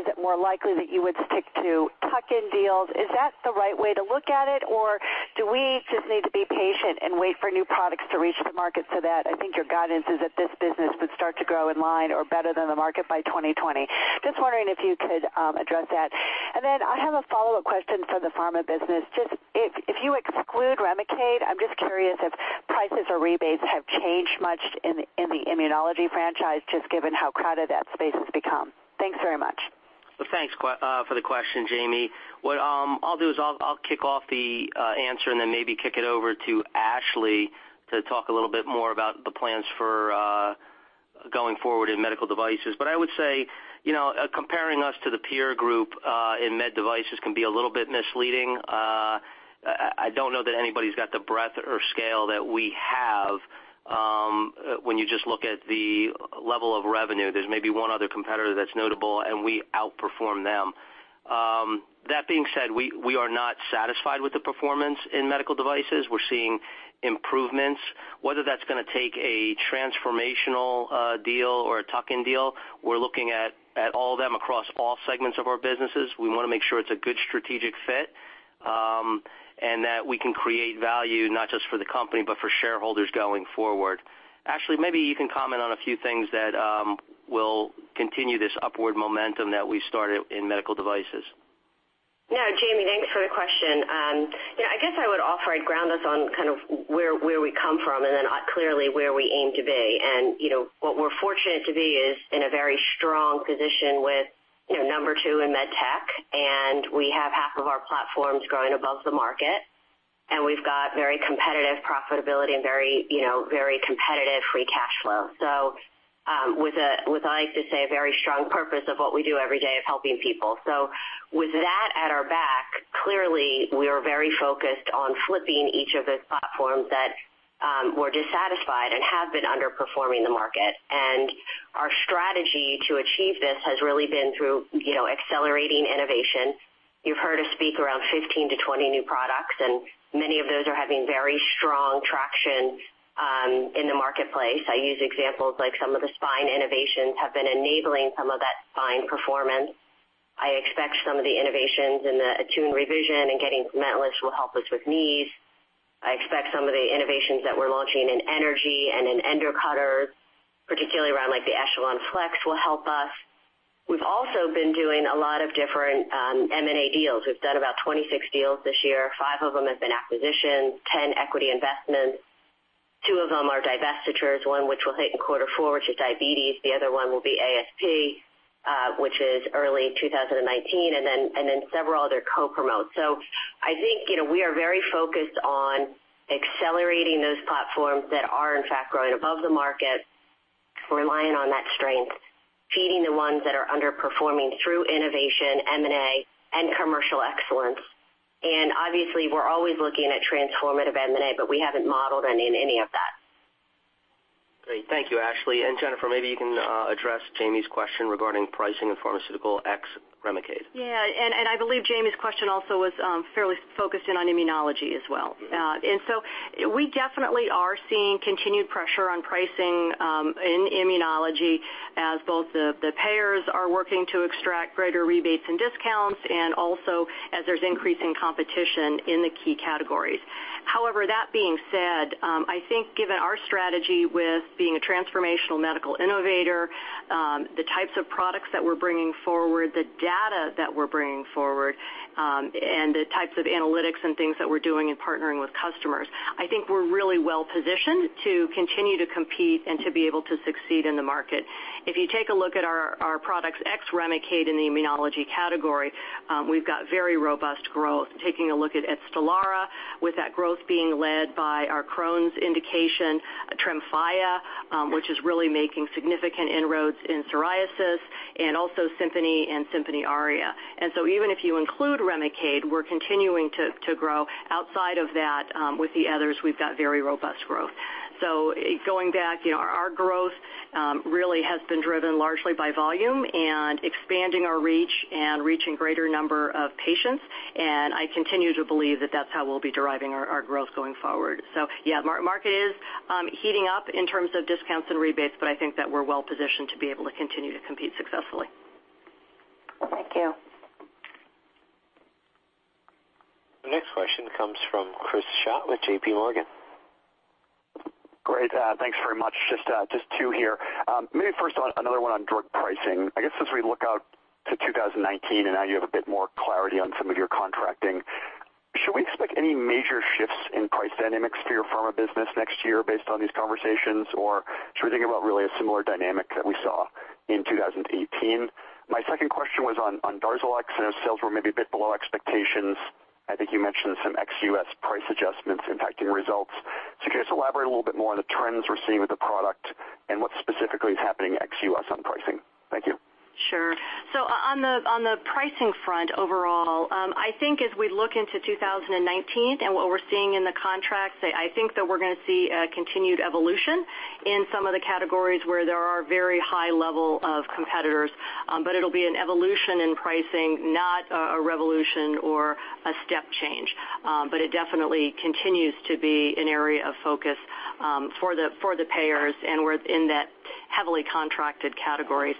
Is it more likely that you would stick to tuck-in deals? Is that the right way to look at it? Do we just need to be patient and wait for new products to reach the market so that I think your guidance is that this business would start to grow in line or better than the market by 2020? Just wondering if you could address that. I have a follow-up question for the pharma business. If you exclude Remicade, I am just curious if prices or rebates have changed much in the immunology franchise, just given how crowded that space has become. Thanks very much. Well, thanks for the question, Jami. What I will do is I will kick off the answer and then maybe kick it over to Ashley to talk a little bit more about the plans for going forward in medical devices. I would say, comparing us to the peer group in med devices can be a little bit misleading. I do not know that anybody has got the breadth or scale that we have when you just look at the level of revenue. There is maybe one other competitor that is notable, and we outperform them. That being said, we are not satisfied with the performance in medical devices. We are seeing improvements. Whether that is going to take a transformational deal or a tuck-in deal, we are looking at all of them across all segments of our businesses. We want to make sure it is a good strategic fit, and that we can create value not just for the company, but for shareholders going forward. Ashley, maybe you can comment on a few things that will continue this upward momentum that we started in Medical Devices. Yeah, Jami, thanks for the question. I guess I would offer, I would ground us on kind of where we come from and then clearly where we aim to be. What we are fortunate to be is in a very strong position with number 2 in MedTech, and we have half of our platforms growing above the market. We have got very competitive profitability and very competitive free cash flow. With, I like to say, a very strong purpose of what we do every day of helping people. With that at our back, clearly, we are very focused on flipping each of those platforms that were dissatisfied and have been underperforming the market. Our strategy to achieve this has really been through accelerating innovation. You have heard us speak around 15-20 new products, and many of those are having very strong traction in the marketplace. I use examples like some of the spine innovations have been enabling some of that spine performance. I expect some of the innovations in the ATTUNE Revision and getting metal-less will help us with knees. I expect some of the innovations that we're launching in energy and in Endocutters, particularly around the ECHELON FLEX, will help us. We've also been doing a lot of different M&A deals. We've done about 26 deals this year. Five of them have been acquisitions, 10 equity investments. Two of them are divestitures, one which we'll hit in quarter four, which is diabetes. The other one will be ASP, which is early 2019, and then several other co-promotes. I think, we are very focused on accelerating those platforms that are in fact growing above the market, relying on that strength, feeding the ones that are underperforming through innovation, M&A, and commercial excellence. Obviously, we're always looking at transformative M&A, we haven't modeled any of that. Great. Thank you, Ashley. Jennifer, maybe you can address Jami's question regarding pricing of pharmaceutical ex-REMICADE. Yeah. I believe Jami's question also was fairly focused in on immunology as well. We definitely are seeing continued pressure on pricing in immunology as both the payers are working to extract greater rebates and discounts, also as there's increasing competition in the key categories. However, that being said, I think given our strategy with being a transformational medical innovator, the types of products that we're bringing forward, the data that we're bringing forward, and the types of analytics and things that we're doing in partnering with customers, I think we're really well positioned to continue to compete and to be able to succeed in the market. If you take a look at our products ex-REMICADE in the immunology category, we've got very robust growth. Taking a look at STELARA, with that growth being led by our Crohn's indication, TREMFYA, which is really making significant inroads in psoriasis, also SIMPONI and SIMPONI ARIA. Even if you include REMICADE, we're continuing to grow. Outside of that, with the others, we've got very robust growth. Going back, our growth really has been driven largely by volume and expanding our reach and reaching greater number of patients, and I continue to believe that that's how we'll be deriving our growth going forward. Yeah, market is heating up in terms of discounts and rebates, but I think that we're well positioned to be able to continue to compete successfully. Thank you. The next question comes from Chris Schott with J.P. Morgan. Great. Thanks very much. Just two here. Maybe first on, another one on drug pricing. I guess as we look out to 2019 and now you have a bit more clarity on some of your contracting, should we expect any major shifts in price dynamics for your pharma business next year based on these conversations? Or should we think about really a similar dynamic that we saw in 2018? My second question was on DARZALEX. I know sales were maybe a bit below expectations. I think you mentioned some ex-U.S. price adjustments impacting results. Can you just elaborate a little bit more on the trends we're seeing with the product and what specifically is happening ex-U.S. on pricing? Thank you. Sure. On the pricing front overall, I think as we look into 2019 and what we're seeing in the contracts, I think that we're going to see a continued evolution in some of the categories where there are very high level of competitors. It'll be an evolution in pricing, not a revolution or a step change. It definitely continues to be an area of focus for the payers and in that heavily contracted categories.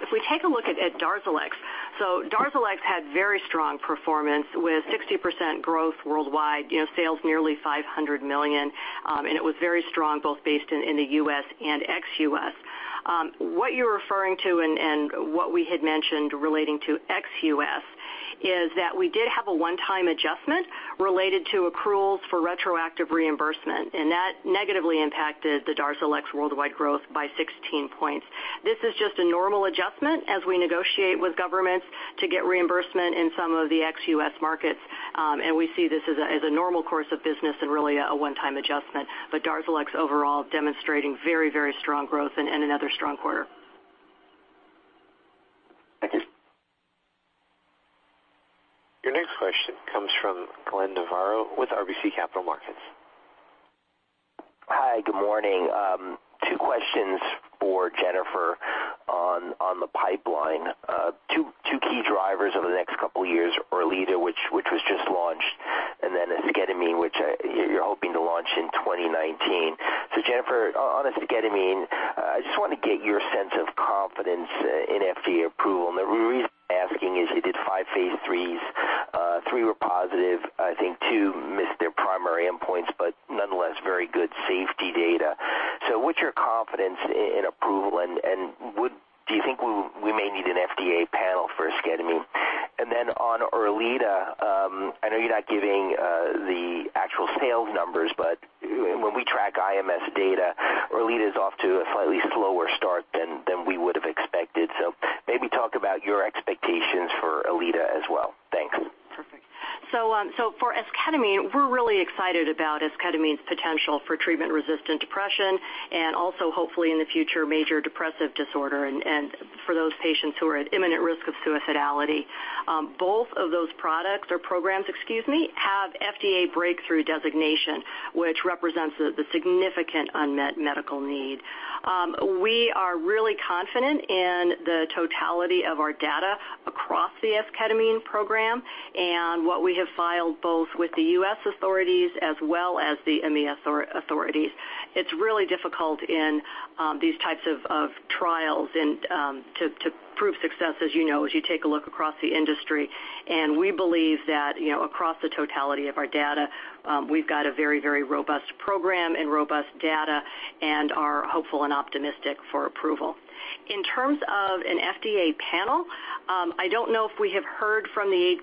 If we take a look at DARZALEX had very strong performance with 60% growth worldwide, sales nearly $500 million, and it was very strong both based in the U.S. and ex-U.S. What you're referring to and what we had mentioned relating to ex-U.S. is that we did have a one-time adjustment related to accruals for retroactive reimbursement, and that negatively impacted the DARZALEX worldwide growth by 16 points. This is just a normal adjustment as we negotiate with governments to get reimbursement in some of the ex-U.S. markets. We see this as a normal course of business and really a one-time adjustment, DARZALEX overall demonstrating very strong growth and another strong quarter. Thank you. Your next question comes from Glenn Novarro with RBC Capital Markets. Hi, good morning. Two questions for Jennifer on the pipeline. Two key drivers over the next couple of years, ERLEADA, which was just launched, and then esketamine, which you're hoping to launch in 2019. Jennifer, on esketamine, I just want to get your sense of confidence in FDA approval. The reason I'm asking is you did five phase III. Three were positive. I think two missed their primary endpoints, but nonetheless, very good safety data. What's your confidence in approval, and do you think we may need an FDA panel for esketamine? On ERLEADA, I know you're not giving the actual sales numbers, but when we track IMS data, ERLEADA's off to a slightly slower start than we would have expected. Maybe talk about your expectations for ERLEADA as well. Thanks. Perfect. For esketamine, we're really excited about esketamine's potential for treatment-resistant depression and also hopefully in the future, major depressive disorder and for those patients who are at imminent risk of suicidality. Both of those products or programs, excuse me, have FDA breakthrough designation, which represents the significant unmet medical need. We are really confident in the totality of our data across the esketamine program and what we have filed both with the U.S. authorities as well as the EMA authorities. It's really difficult in these types of trials to prove success, as you know, as you take a look across the industry. We believe that across the totality of our data, we've got a very, very robust program and robust data and are hopeful and optimistic for approval. In terms of an FDA panel, I don't know if we have heard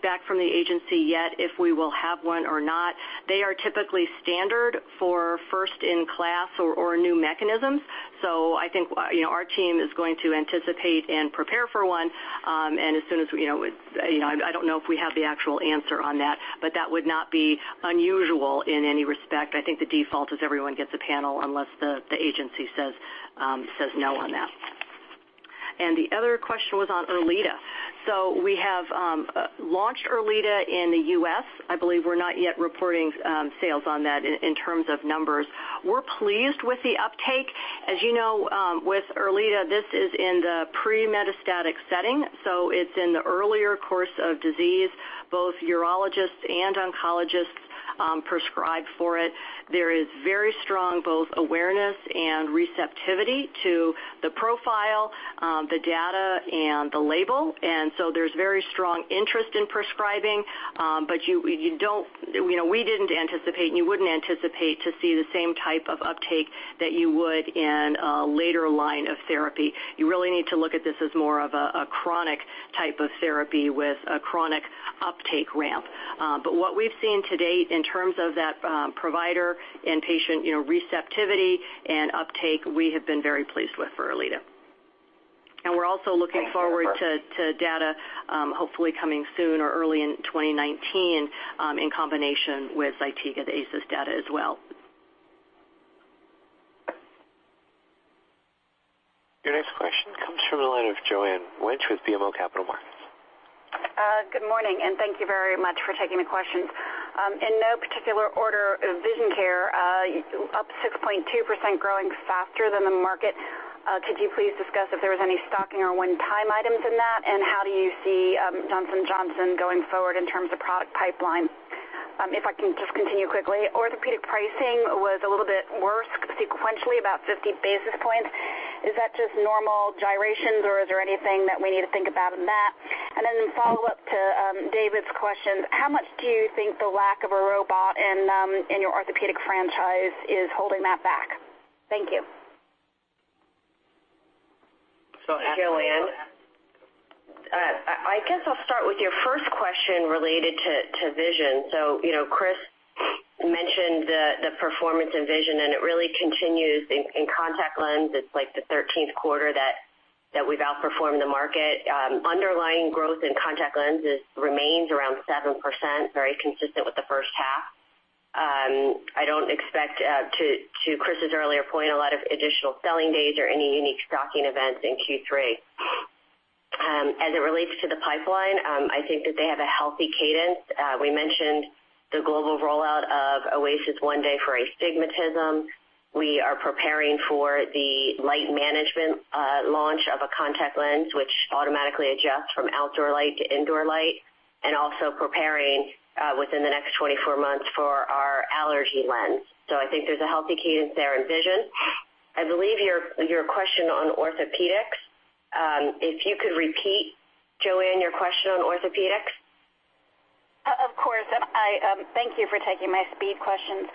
back from the agency yet if we will have one or not. They are typically standard for first-in-class or new mechanisms. I think our team is going to anticipate and prepare for one. I don't know if we have the actual answer on that, but that would not be unusual in any respect. I think the default is everyone gets a panel unless the agency says no on that. The other question was on ERLEADA. We have launched ERLEADA in the U.S. I believe we're not yet reporting sales on that in terms of numbers. We're pleased with the uptake. As you know, with ERLEADA, this is in the pre-metastatic setting, so it's in the earlier course of disease. Both urologists and oncologists prescribe for it. There is very strong both awareness and receptivity to the profile, the data and the label. There's very strong interest in prescribing. We didn't anticipate, and you wouldn't anticipate to see the same type of uptake that you would in a later line of therapy. You really need to look at this as more of a chronic type of therapy with a chronic uptake ramp. What we've seen to date in terms of that provider and patient receptivity and uptake, we have been very pleased with for ERLEADA. We're also looking forward to data hopefully coming soon or early in 2019 in combination with ZYTIGA, the ARCHES data as well. Your next question comes from the line of Joanne Wuensch with BMO Capital Markets. Good morning, thank you very much for taking the questions. In no particular order, Vision Care, up 6.2%, growing faster than the market. Could you please discuss if there was any stocking or one-time items in that? How do you see Johnson & Johnson going forward in terms of product pipeline? If I can just continue quickly, Orthopedic pricing was a little bit worse sequentially, about 50 basis points. Is that just normal gyrations or is there anything that we need to think about in that? Follow-up to David's questions, how much do you think the lack of a robot in your Orthopedic franchise is holding that back? Thank you. Joanne, I guess I'll start with your first question related to Vision. Chris mentioned the performance in Vision, and it really continues in contact lens. It's like the 13th quarter that we've outperformed the market. Underlying growth in contact lenses remains around 7%, very consistent with the first half. I don't expect, to Chris's earlier point, a lot of additional selling days or any unique stocking events in Q3. As it relates to the pipeline, I think that they have a healthy cadence. We mentioned the global rollout of OASYS One Day for astigmatism. We are preparing for the light management launch of a contact lens, which automatically adjusts from outdoor light to indoor light, and also preparing within the next 24 months for our allergy lens. I think there's a healthy cadence there in Vision. I believe your question on Orthopedics, if you could repeat, Joanne, your question on Orthopedics. Of course. Thank you for taking my speed questions.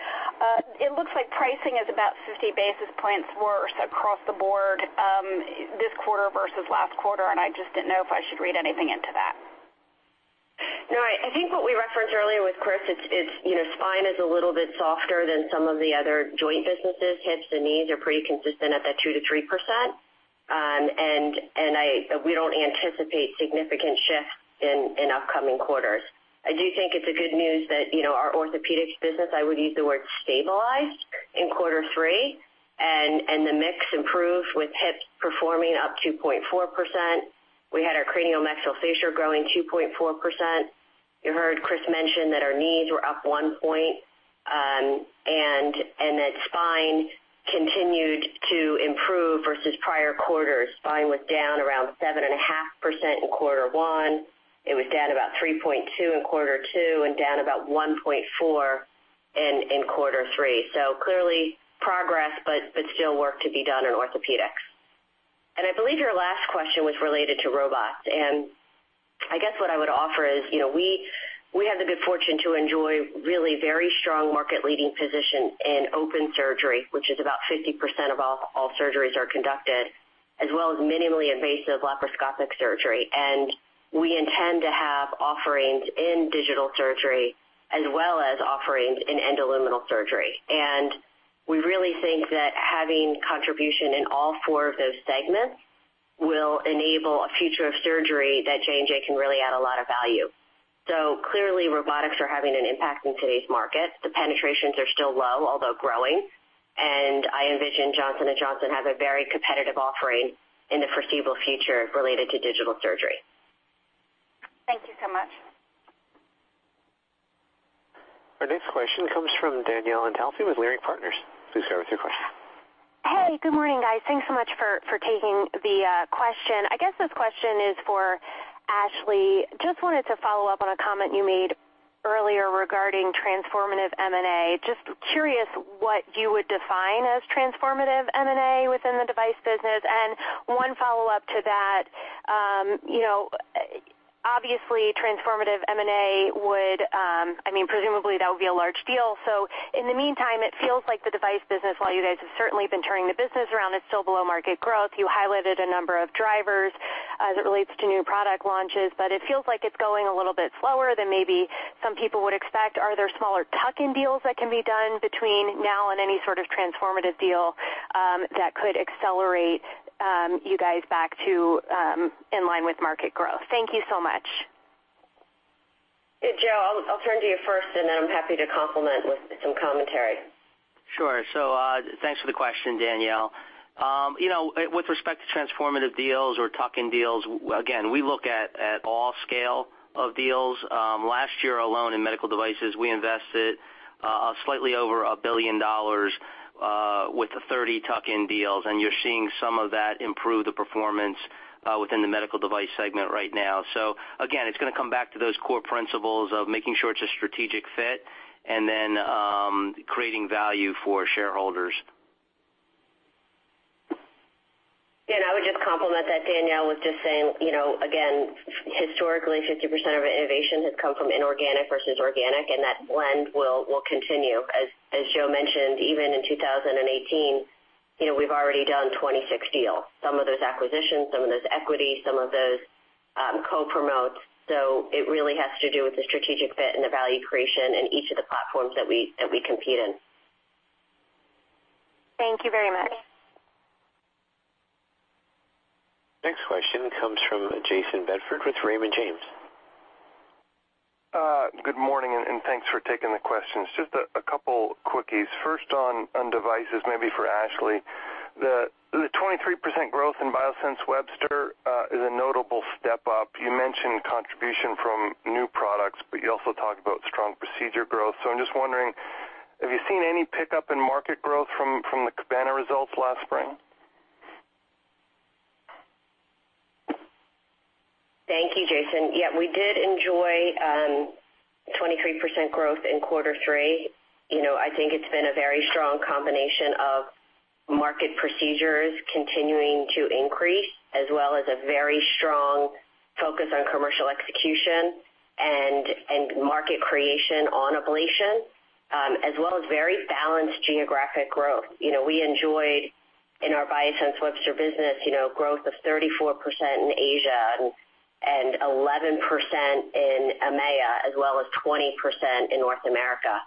It looks like pricing is about 50 basis points worse across the board this quarter versus last quarter. I just didn't know if I should read anything into that. No, I think what we referenced earlier with Chris DelOrefice, spine is a little bit softer than some of the other joint businesses. Hips and knees are pretty consistent at that 2%-3%. We don't anticipate significant shifts in upcoming quarters. I do think it's good news that our Orthopedics business, I would use the word stabilized in quarter three, and the mix improved with hips performing up 2.4%. We had our cranio maxillofacial growing 2.4%. You heard Chris DelOrefice mention that our knees were up one point, and that spine continued to improve versus prior quarters. Spine was down around 7.5% in quarter one. It was down about 3.2% in quarter two and down about 1.4% in quarter three. Clearly progress, but still work to be done in Orthopedics. I believe your last question was related to robots. I guess what I would offer is we have the good fortune to enjoy really very strong market leading position in open surgery, which is about 50% of all surgeries are conducted, as well as minimally invasive laparoscopic surgery. We intend to have offerings in digital surgery as well as offerings in endoluminal surgery. We really think that having contribution in all four of those segments will enable a future of surgery that J&J can really add a lot of value. Clearly, robotics are having an impact in today's market. The penetrations are still low, although growing. I envision Johnson & Johnson has a very competitive offering in the foreseeable future related to digital surgery. Thank you so much. Our next question comes from Danielle Antalffy with Leerink Partners. Please go with your question. Hey, good morning, guys. Thanks so much for taking the question. I guess this question is for Ashley. Just wanted to follow up on a comment you made earlier regarding transformative M&A. Just curious what you would define as transformative M&A within the device business. One follow-up to that, obviously transformative M&A would, presumably that would be a large deal. In the meantime, it feels like the device business, while you guys have certainly been turning the business around, it's still below market growth. You highlighted a number of drivers as it relates to new product launches, but it feels like it's going a little bit slower than maybe some people would expect. Are there smaller tuck-in deals that can be done between now and any sort of transformative deal that could accelerate you guys back to in line with market growth? Thank you so much. Joe, I'll turn to you first. Then I'm happy to complement with some commentary. Sure. Thanks for the question, Danielle Antalffy. With respect to transformative deals or tuck-in deals, again, we look at all scale of deals. Last year alone in Medical Devices, we invested slightly over $1 billion with 30 tuck-in deals, and you're seeing some of that improve the performance within the Medical Devices segment right now. Again, it's going to come back to those core principles of making sure it's a strategic fit and then creating value for shareholders. I would just complement that, Danielle Antalffy, with just saying, again, historically, 50% of innovation has come from inorganic versus organic, and that blend will continue. As Joseph Wolk mentioned, even in 2018, we've already done 26 deals. Some of those acquisitions, some of those equity, some of those co-promotes. It really has to do with the strategic fit and the value creation in each of the platforms that we compete in. Thank you very much. Next question comes from Jayson Bedford with Raymond James. Good morning. Thanks for taking the questions. Just a couple quickies. First on devices, maybe for Ashley. The 23% growth in Biosense Webster is a notable step up. You mentioned contribution from new products, you also talked about strong procedure growth. I'm just wondering, have you seen any pickup in market growth from the CABANA results last spring? Thank you, Jayson. Yeah, we did enjoy 23% growth in quarter three. I think it's been a very strong combination of market procedures continuing to increase, as well as a very strong focus on commercial execution and market creation on ablation, as well as very balanced geographic growth. We enjoyed in our Biosense Webster business growth of 34% in Asia and 11% in EMEA, as well as 20% in North America.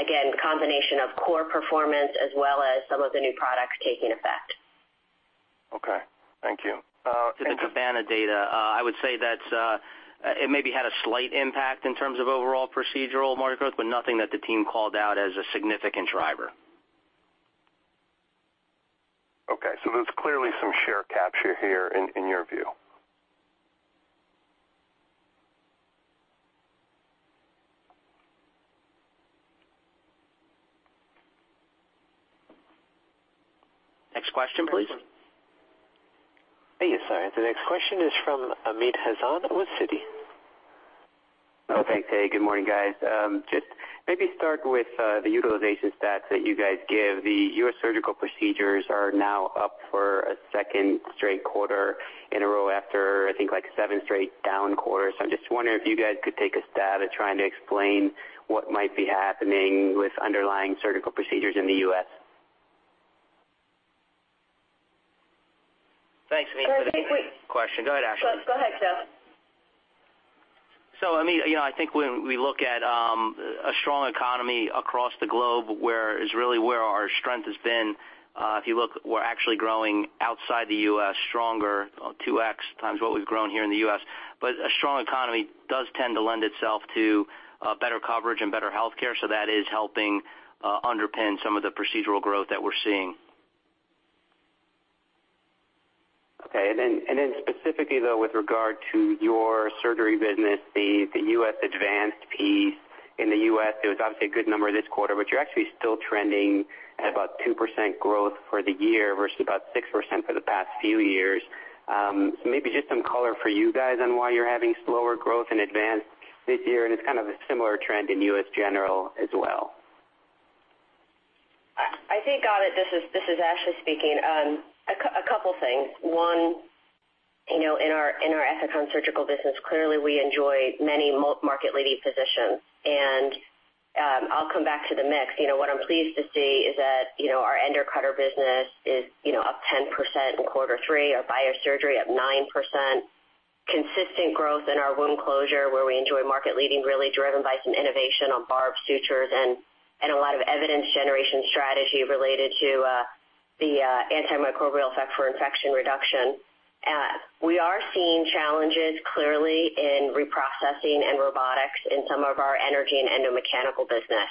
Again, combination of core performance as well as some of the new products taking effect. Okay. Thank you. To the CABANA data, I would say that it maybe had a slight impact in terms of overall procedural market growth, nothing that the team called out as a significant driver. Okay. There's clearly some share capture here in your view. Next question, please. Sorry. The next question is from Amit Hazan with Citi. Oh, thanks. Hey, good morning, guys. Just maybe start with the utilization stats that you guys give. The U.S. surgical procedures are now up for a second straight quarter in a row after I think seven straight down quarters. I'm just wondering if you guys could take a stab at trying to explain what might be happening with underlying surgical procedures in the U.S. Thanks, Amit, for the question. Go ahead, Ashley. Go ahead, Joe. Amit, I think when we look at a strong economy across the globe, where is really where our strength has been. If you look, we're actually growing outside the U.S. stronger 2x what we've grown here in the U.S. A strong economy does tend to lend itself to better coverage and better healthcare. That is helping underpin some of the procedural growth that we're seeing. Okay. Then specifically though with regard to your surgery business, the U.S. advanced piece in the U.S., it was obviously a good number this quarter, you're actually still trending at about 2% growth for the year versus about 6% for the past few years. Maybe just some color for you guys on why you're having slower growth in advance this year, and it's kind of a similar trend in U.S. general as well. I think, Amit, this is Ashley speaking. A couple of things. One, in our Ethicon surgical business, clearly we enjoy many market-leading positions, and I'll come back to the mix. What I'm pleased to see is that our Endocutters business is up 10% in quarter three, our biosurgery up 9%. Consistent growth in our wound closure where we enjoy market leading, really driven by some innovation on barbed sutures and a lot of evidence generation strategy related to the antimicrobial effect for infection reduction. We are seeing challenges, clearly, in reprocessing and robotics in some of our energy and endomechanical business.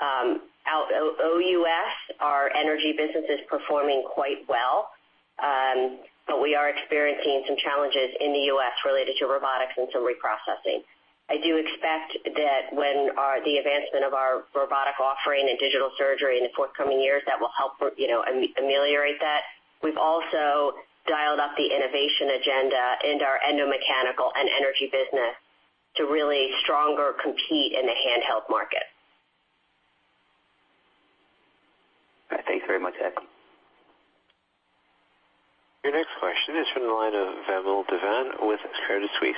Out OUS, our energy business is performing quite well. We are experiencing some challenges in the U.S. related to robotics and some reprocessing. I do expect that when the advancement of our robotic offering and digital surgery in the forthcoming years, that will help ameliorate that. We've also dialed up the innovation agenda in our endomechanical and energy business to really stronger compete in the handheld market. All right. Thanks very much, Deb. Your next question is from the line of Vamil Divan with Credit Suisse.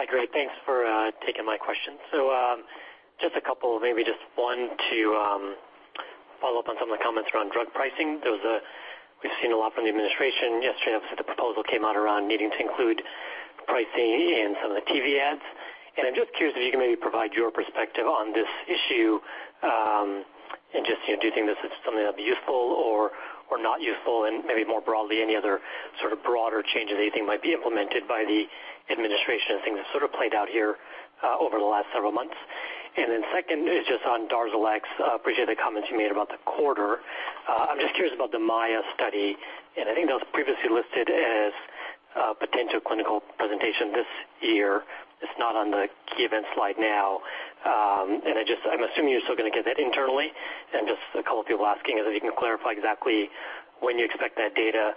Hi, great. Thanks for taking my question. Just a couple, maybe just one to follow up on some of the comments around drug pricing. We've seen a lot from the administration. Yesterday, obviously, the proposal came out around needing to include pricing in some of the TV ads, I'm just curious if you can maybe provide your perspective on this issue. Just, do you think this is something that'll be useful or not useful maybe more broadly, any other sort of broader changes that you think might be implemented by the administration as things have sort of played out here over the last several months? Second is just on DARZALEX. Appreciate the comments you made about the quarter. I'm just curious about the MAIA study, I think that was previously listed as a potential clinical presentation this year. It's not on the key events slide now. I'm assuming you're still going to get that internally just a couple of people asking is if you can clarify exactly when you expect that data,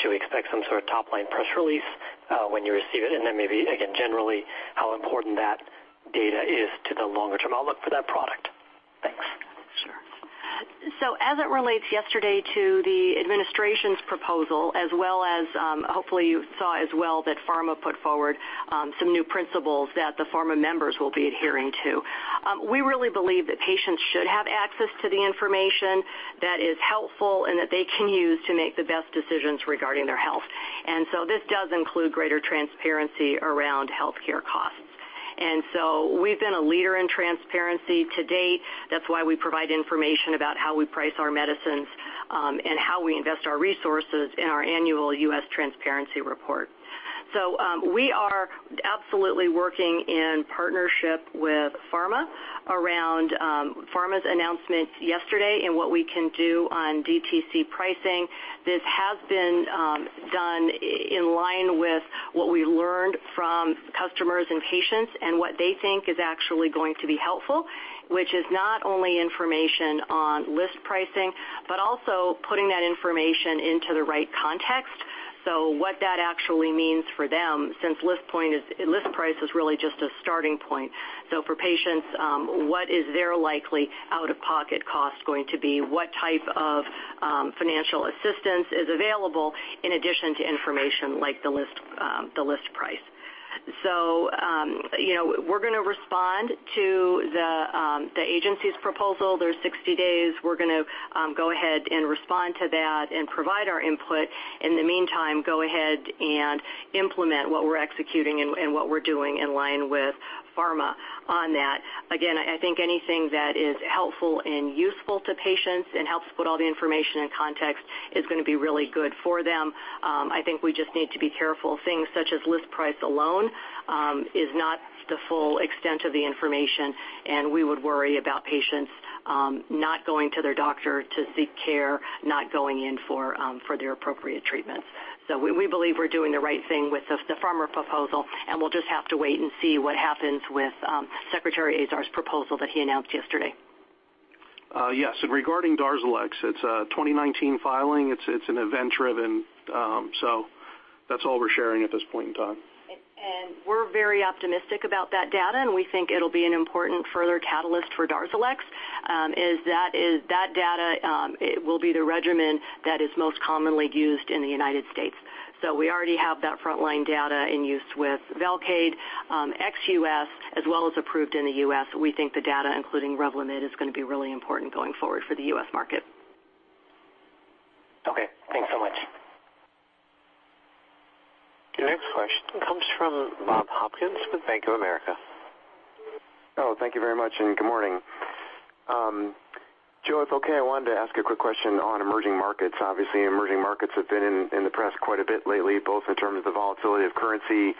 should we expect some sort of top-line press release when you receive it, maybe, again, generally how important that data is to the longer-term outlook for that product. Thanks. Sure. As it relates yesterday to the administration's proposal, as well as, hopefully you saw as well that PhRMA put forward some new principles that the PhRMA members will be adhering to. We really believe that patients should have access to the information that is helpful that they can use to make the best decisions regarding their health. This does include greater transparency around healthcare costs. We've been a leader in transparency to date. That's why we provide information about how we price our medicines, how we invest our resources in our annual U.S. transparency report. We are absolutely working in partnership with PhRMA around PhRMA's announcement yesterday what we can do on DTC pricing. This has been done in line with what we learned from customers and patients what they think is actually going to be helpful, which is not only information on list pricing, but also putting that information into the right context. What that actually means for them, since list price is really just a starting point. For patients, what is their likely out-of-pocket cost going to be? What type of financial assistance is available in addition to information like the list price. We're going to respond to the agency's proposal. There's 60 days. We're going to go ahead respond to that provide our input. In the meantime, go ahead implement what we're executing what we're doing in line with PhRMA on that. I think anything that is helpful and useful to patients and helps put all the information in context is going to be really good for them. I think we just need to be careful of things such as list price alone, is not the full extent of the information, and we would worry about patients not going to their doctor to seek care, not going in for their appropriate treatment. We believe we're doing the right thing with the PhRMA proposal, and we'll just have to wait and see what happens with Alex Azar's proposal that he announced yesterday. Yes, regarding DARZALEX, it's a 2019 filing. It's an event-driven, that's all we're sharing at this point in time. We're very optimistic about that data, and we think it'll be an important further catalyst for DARZALEX, is that data, it will be the regimen that is most commonly used in the United States. We already have that frontline data in use with VELCADE, ex-U.S., as well as approved in the U.S. We think the data, including REVLIMID, is going to be really important going forward for the U.S. market. Okay, thanks so much. Your next question comes from Bob Hopkins with Bank of America. Oh, thank you very much. Good morning. Joe, if okay, I wanted to ask a quick question on emerging markets. Obviously, emerging markets have been in the press quite a bit lately, both in terms of the volatility of currency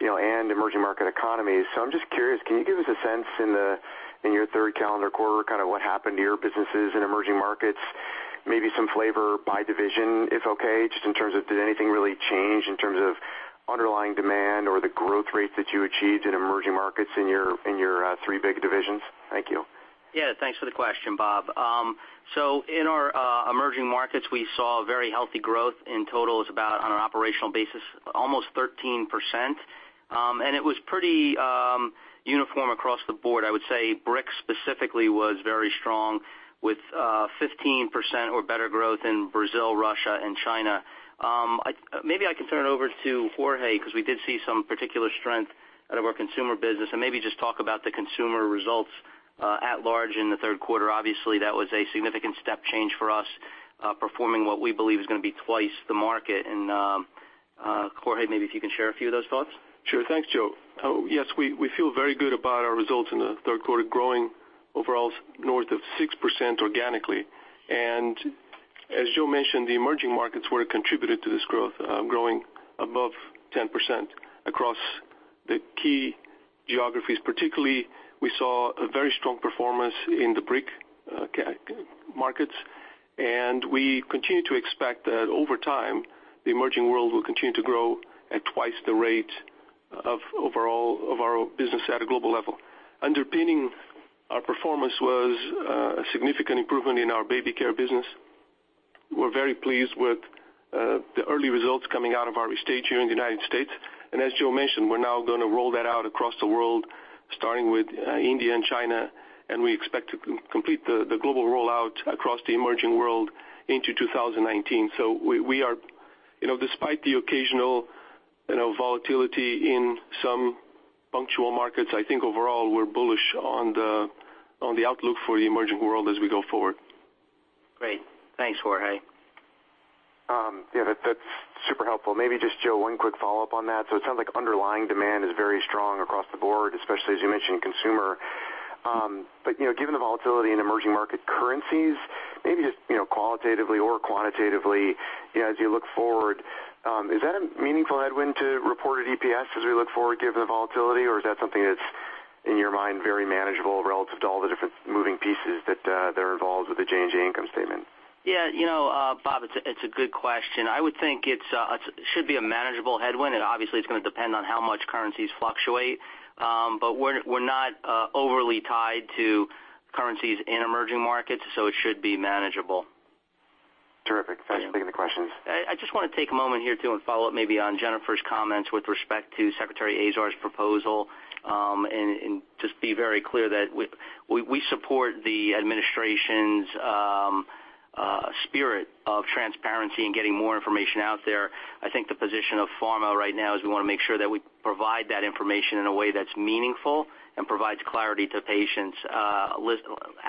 and emerging market economies. I'm just curious, can you give us a sense in your third calendar quarter, kind of what happened to your businesses in emerging markets? Maybe some flavor by division, if okay, just in terms of did anything really change in terms of underlying demand or the growth rate that you achieved in emerging markets in your three big divisions? Thank you. Yeah, thanks for the question, Bob. In our emerging markets, we saw very healthy growth. In total is about, on an operational basis, almost 13%, and it was pretty uniform across the board. I would say BRIC specifically was very strong with 15% or better growth in Brazil, Russia, and China. Maybe I can turn it over to Jorge because we did see some particular strength out of our consumer business and maybe just talk about the consumer results At large in the third quarter, obviously, that was a significant step change for us, performing what we believe is going to be twice the market. Jorge, maybe if you can share a few of those thoughts. Sure. Thanks, Joe. Yes, we feel very good about our results in the third quarter, growing overall north of 6% organically. As Joe mentioned, the emerging markets contributed to this growth, growing above 10% across the key geographies. Particularly, we saw a very strong performance in the BRIC markets, we continue to expect that over time, the emerging world will continue to grow at twice the rate of our business at a global level. Underpinning our performance was a significant improvement in our Johnson's Baby business. We are very pleased with the early results coming out of our restage here in the U.S. As Joe mentioned, we are now going to roll that out across the world, starting with India and China, we expect to complete the global rollout across the emerging world into 2019. Despite the occasional volatility in some particular markets, I think overall, we are bullish on the outlook for the emerging world as we go forward. Great. Thanks, Jorge. Yes, that is super helpful. Maybe just, Joe, one quick follow-up on that. It sounds like underlying demand is very strong across the board, especially as you mentioned, consumer. Given the volatility in emerging market currencies, maybe just qualitatively or quantitatively, as you look forward, is that a meaningful headwind to reported EPS as we look forward given the volatility? Is that something that is, in your mind, very manageable relative to all the different moving pieces that are involved with the J&J income statement? Yeah, Bob, it's a good question. I would think it should be a manageable headwind, and obviously, it's going to depend on how much currencies fluctuate. We're not overly tied to currencies in emerging markets, it should be manageable. Terrific. Thanks. Taking the questions. I just want to take a moment here, too, and follow up maybe on Jennifer's comments with respect to Alex Azar's proposal, and just be very clear that we support the administration's spirit of transparency and getting more information out there. I think the position of PhRMA right now is we want to make sure that we provide that information in a way that's meaningful and provides clarity to patients.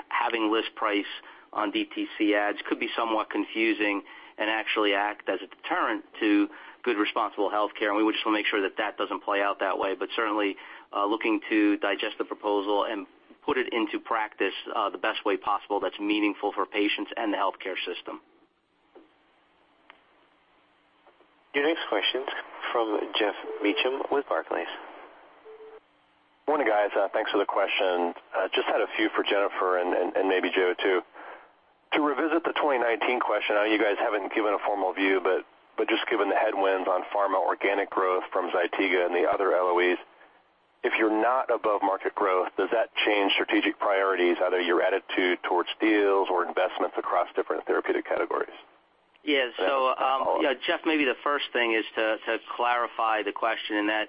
Having list price on DTC ads could be somewhat confusing and actually act as a deterrent to good, responsible healthcare. We just want to make sure that that doesn't play out that way. Certainly, looking to digest the proposal and put it into practice the best way possible that's meaningful for patients and the healthcare system. Your next question comes from Geoff Meacham with Barclays. Morning, guys. Thanks for the question. Just had a few for Jennifer and maybe Joe, too. To revisit the 2019 question, I know you guys haven't given a formal view, given the headwinds on pharma organic growth from ZYTIGA and the other LOEs, if you're not above market growth, does that change strategic priorities, either your attitude towards deals or investments across different therapeutic categories? Yeah. Geoff, maybe the first thing is to clarify the question in that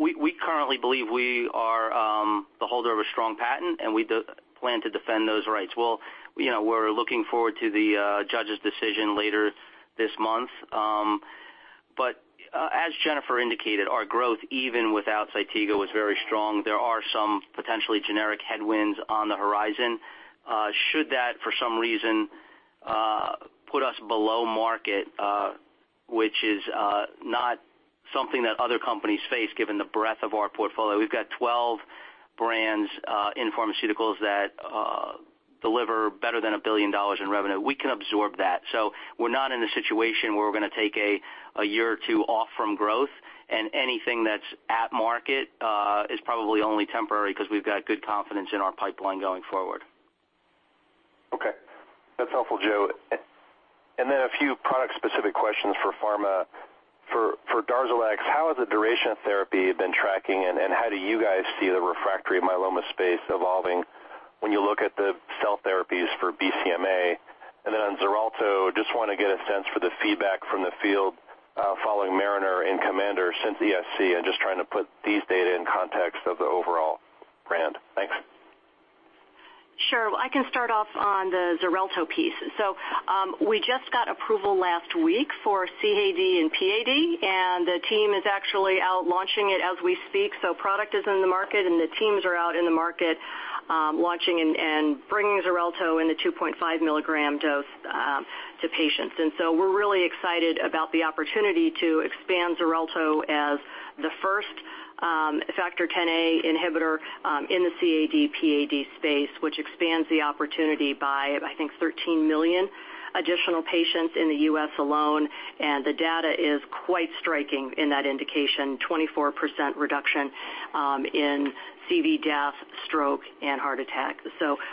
we currently believe we are the holder of a strong patent, and we plan to defend those rights. We're looking forward to the judge's decision later this month. As Jennifer indicated, our growth, even without ZYTIGA, was very strong. There are some potentially generic headwinds on the horizon. Should that, for some reason, put us below market, which is not something that other companies face given the breadth of our portfolio. We've got 12 brands in pharmaceuticals that deliver better than $1 billion in revenue. We can absorb that. We're not in a situation where we're going to take a year or two off from growth, and anything that's at market is probably only temporary because we've got good confidence in our pipeline going forward. Okay. That's helpful, Joe. A few product-specific questions for pharma. For DARZALEX, how has the duration of therapy been tracking, and how do you guys see the refractory myeloma space evolving when you look at the cell therapies for BCMA? On XARELTO, just want to get a sense for the feedback from the field following MARINER and COMMANDER since the ESC, and just trying to put these data in context of the overall brand. Thanks. Sure. I can start off on the XARELTO piece. We just got approval last week for CAD and PAD, and the team is actually out launching it as we speak. Product is in the market, and the teams are out in the market launching and bringing XARELTO in the 2.5 milligram dose to patients. We're really excited about the opportunity to expand XARELTO as the first Factor Xa inhibitor in the CAD/PAD space, which expands the opportunity by, I think, 13 million additional patients in the U.S. alone. The data is quite striking in that indication, 24% reduction in CV death, stroke, and heart attack.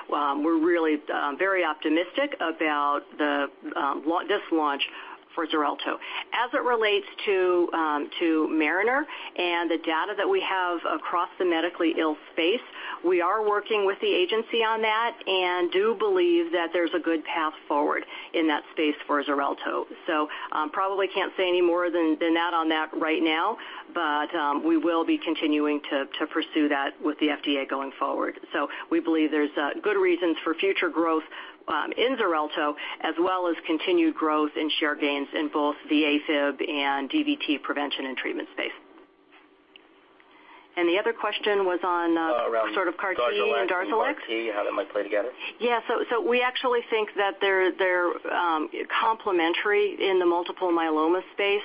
We're really very optimistic about this launch for XARELTO. As it relates to MARINER and the data that we have across the medically ill space, we are working with the agency on that and do believe that there's a good path forward in that space for XARELTO. Probably can't say any more than that on that right now, but we will be continuing to pursue that with the FDA going forward. We believe there's good reasons for future growth in XARELTO, as well as continued growth in share gains in both the AFib and DVT prevention and treatment space. The other question was on- Around- Sort of CAR T and DARZALEX DARZALEX and CAR T, how that might play together? Yeah. We actually think that they're complementary in the multiple myeloma space,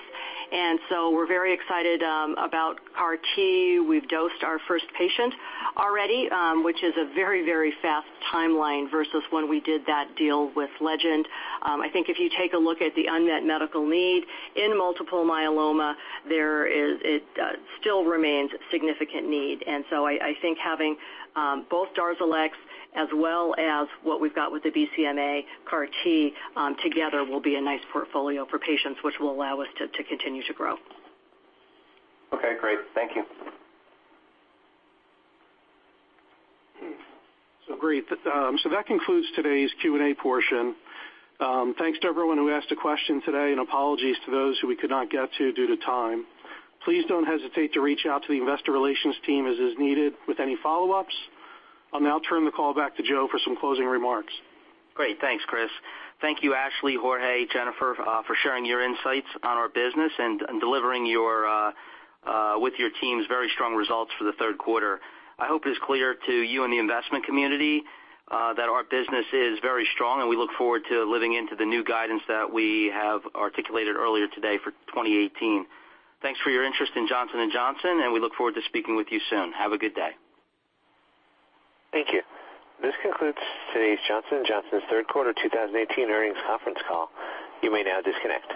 and so we're very excited about CAR T. We've dosed our first patient already, which is a very, very fast timeline versus when we did that deal with Legend. I think if you take a look at the unmet medical need in multiple myeloma, it still remains a significant need. I think having both DARZALEX as well as what we've got with the BCMA CAR T together will be a nice portfolio for patients, which will allow us to continue to grow. Okay, great. Thank you. Great. That concludes today's Q&A portion. Thanks to everyone who asked a question today, and apologies to those who we could not get to due to time. Please don't hesitate to reach out to the investor relations team as is needed with any follow-ups. I'll now turn the call back to Joe for some closing remarks. Great. Thanks, Chris. Thank you, Ashley, Jorge, Jennifer, for sharing your insights on our business and delivering with your teams very strong results for the third quarter. I hope it is clear to you and the investment community that our business is very strong, and we look forward to living into the new guidance that we have articulated earlier today for 2018. Thanks for your interest in Johnson & Johnson, and we look forward to speaking with you soon. Have a good day. Thank you. This concludes today's Johnson & Johnson's third quarter 2018 earnings conference call. You may now disconnect.